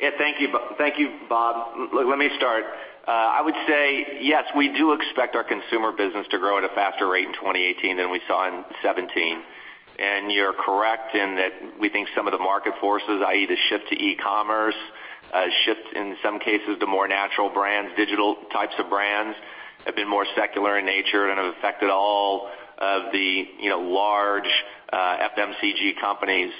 Yeah, thank you. Thank you, Bob. Let me start. I would say, yes, we do expect our consumer business to grow at a faster rate in 2018 than we saw in 2017. You're correct in that we think some of the market forces, i.e., the shift to e-commerce, shift in some cases to more natural brands, digital types of brands, have been more secular in nature and have affected all of the, you know, large FMCG companies.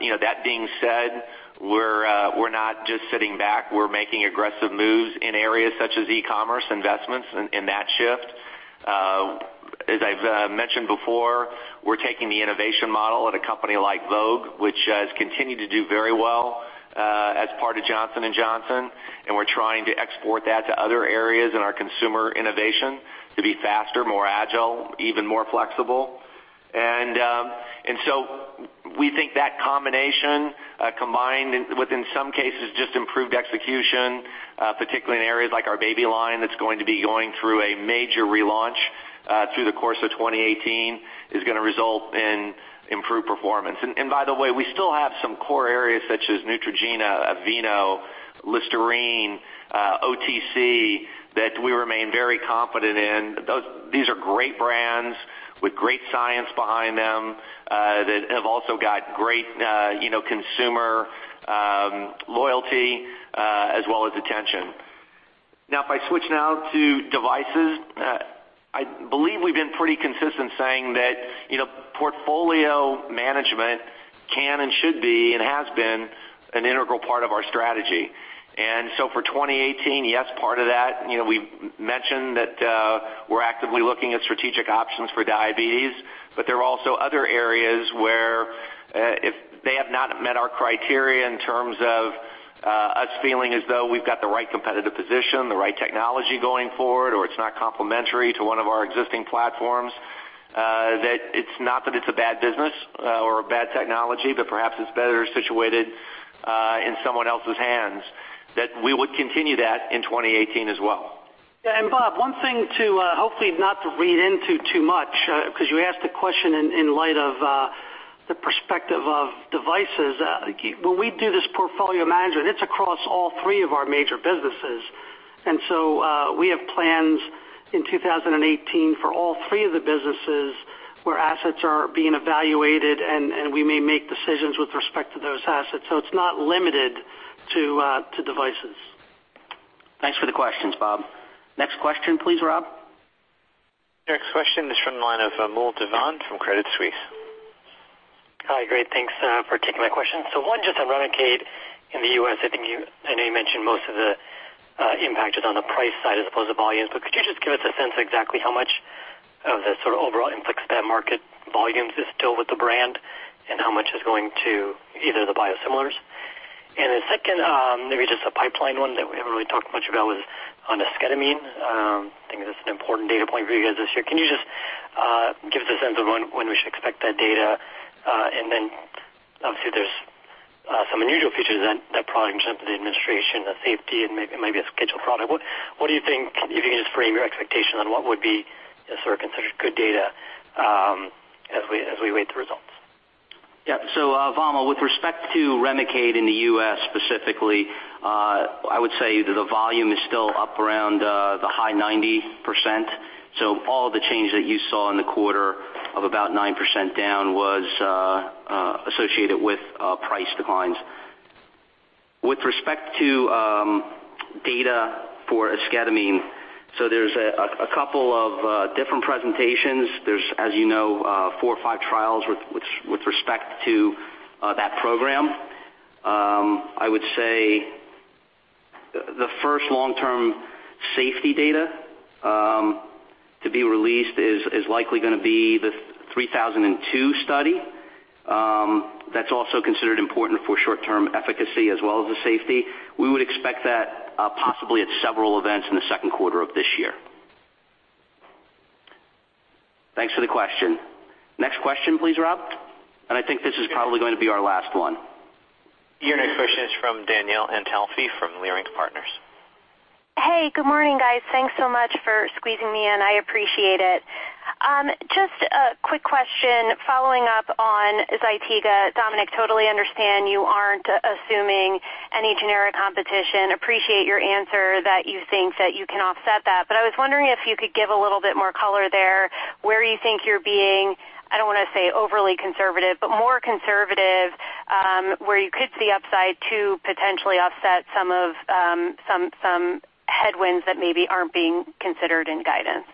You know, that being said, we're not just sitting back. We're making aggressive moves in areas such as e-commerce investments in that shift. As I've mentioned before, we're taking the innovation model at a company like Vogue, which has continued to do very well as part of Johnson & Johnson, we're trying to export that to other areas in our consumer innovation to be faster, more agile, even more flexible. So we think that combination combined with, in some cases, just improved execution, particularly in areas like our baby line that's going to be going through a major relaunch through the course of 2018, is gonna result in improved performance. By the way, we still have some core areas such as Neutrogena, Aveeno, Listerine, OTC, that we remain very confident in. These are great brands with great science behind them, that have also got great, you know, consumer loyalty as well as attention. Now if I switch now to devices, I believe we've been pretty consistent saying that, you know, portfolio management can and should be and has been an integral part of our strategy. For 2018, yes, part of that, you know, we've mentioned that we're actively looking at strategic options for diabetes. There are also other areas where, if they have not met our criteria in terms of us feeling as though we've got the right competitive position, the right technology going forward, or it's not complementary to one of our existing platforms, that it's not that it's a bad business or a bad technology, but perhaps it's better situated in someone else's hands, that we would continue that in 2018 as well.
Yeah, Bob, one thing to hopefully not to read into too much, 'cause you asked the question in light of the perspective of devices. When we do this portfolio management, it's across all three of our major businesses. We have plans in 2018 for all three of the businesses where assets are being evaluated, and we may make decisions with respect to those assets. It's not limited to devices.
Thanks for the questions, Bob. Next question, please, Rob.
Your next question is from the line of, Vamil Divan from Credit Suisse.
Hi. Great. Thanks for taking my questions. One, just on REMICADE in the U.S., I think I know you mentioned most of the impact is on the price side as opposed to volume. Could you just give us a sense exactly how much of the sort of overall Inflectra market volumes is still with the brand, and how much is going to either the biosimilars? Second, maybe just a pipeline one that we haven't really talked much about was on esketamine. I think that's an important data point for you guys this year. Can you just give us a sense of when we should expect that data? Obviously, there's some unusual features that probably present the administration, the safety, and maybe a scheduled product. What do you think, if you can just frame your expectation on what would be sort of considered good data, as we await the results?
Thanks for the question. Next question please, Rob. I think this is probably gonna be our last one.
Your next question is from Danielle Antalffy from Leerink Partners.
Hey, good morning, guys. Thanks so much for squeezing me in, I appreciate it. Just a quick question following up on ZYTIGA. Dominic, totally understand you aren't assuming any generic competition. Appreciate your answer that you think that you can offset that. I was wondering if you could give a little bit more color there where you think you're being, I don't want to say overly conservative, but more conservative, where you could see upside to potentially offset some of some headwinds that maybe aren't being considered in guidance.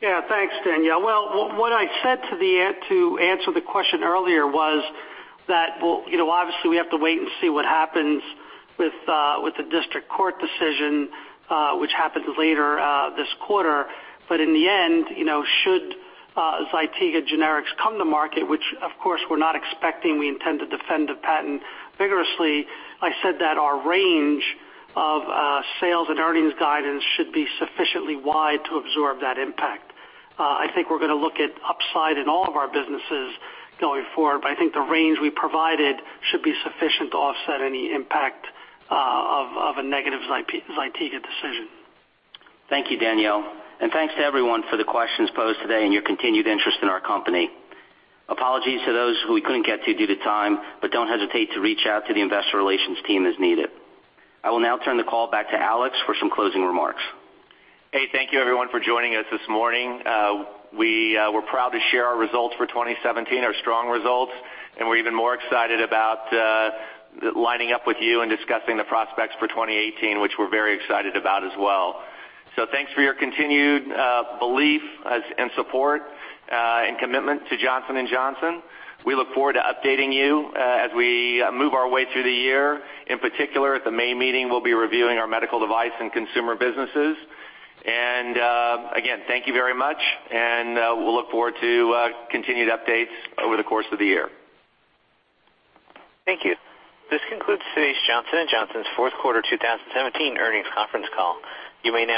Yeah. Thanks, Danielle. Well, what I said to answer the question earlier was that, well, you know, obviously we have to wait and see what happens with the district court decision, which happens later this quarter. In the end, you know, should ZYTIGA generics come to market, which of course we're not expecting, we intend to defend the patent vigorously. I said that our range of sales and earnings guidance should be sufficiently wide to absorb that impact. I think we're gonna look at upside in all of our businesses going forward, but I think the range we provided should be sufficient to offset any impact of a negative ZYTIGA decision.
Thank you, Danielle. Thanks to everyone for the questions posed today and your continued interest in our company. Apologies to those who we couldn't get to due to time, but don't hesitate to reach out to the investor relations team as needed. I will now turn the call back to Alex for some closing remarks.
Thank you everyone for joining us this morning. We're proud to share our results for 2017, our strong results, and we're even more excited about lining up with you and discussing the prospects for 2018, which we're very excited about as well. Thanks for your continued belief as, and support, and commitment to Johnson & Johnson. We look forward to updating you as we move our way through the year. In particular, at the May meeting, we'll be reviewing our medical device and consumer businesses. Again, thank you very much, and we'll look forward to continued updates over the course of the year.
Thank you. This concludes today's Johnson & Johnson's fourth quarter 2017 earnings conference call. You may now disconnect.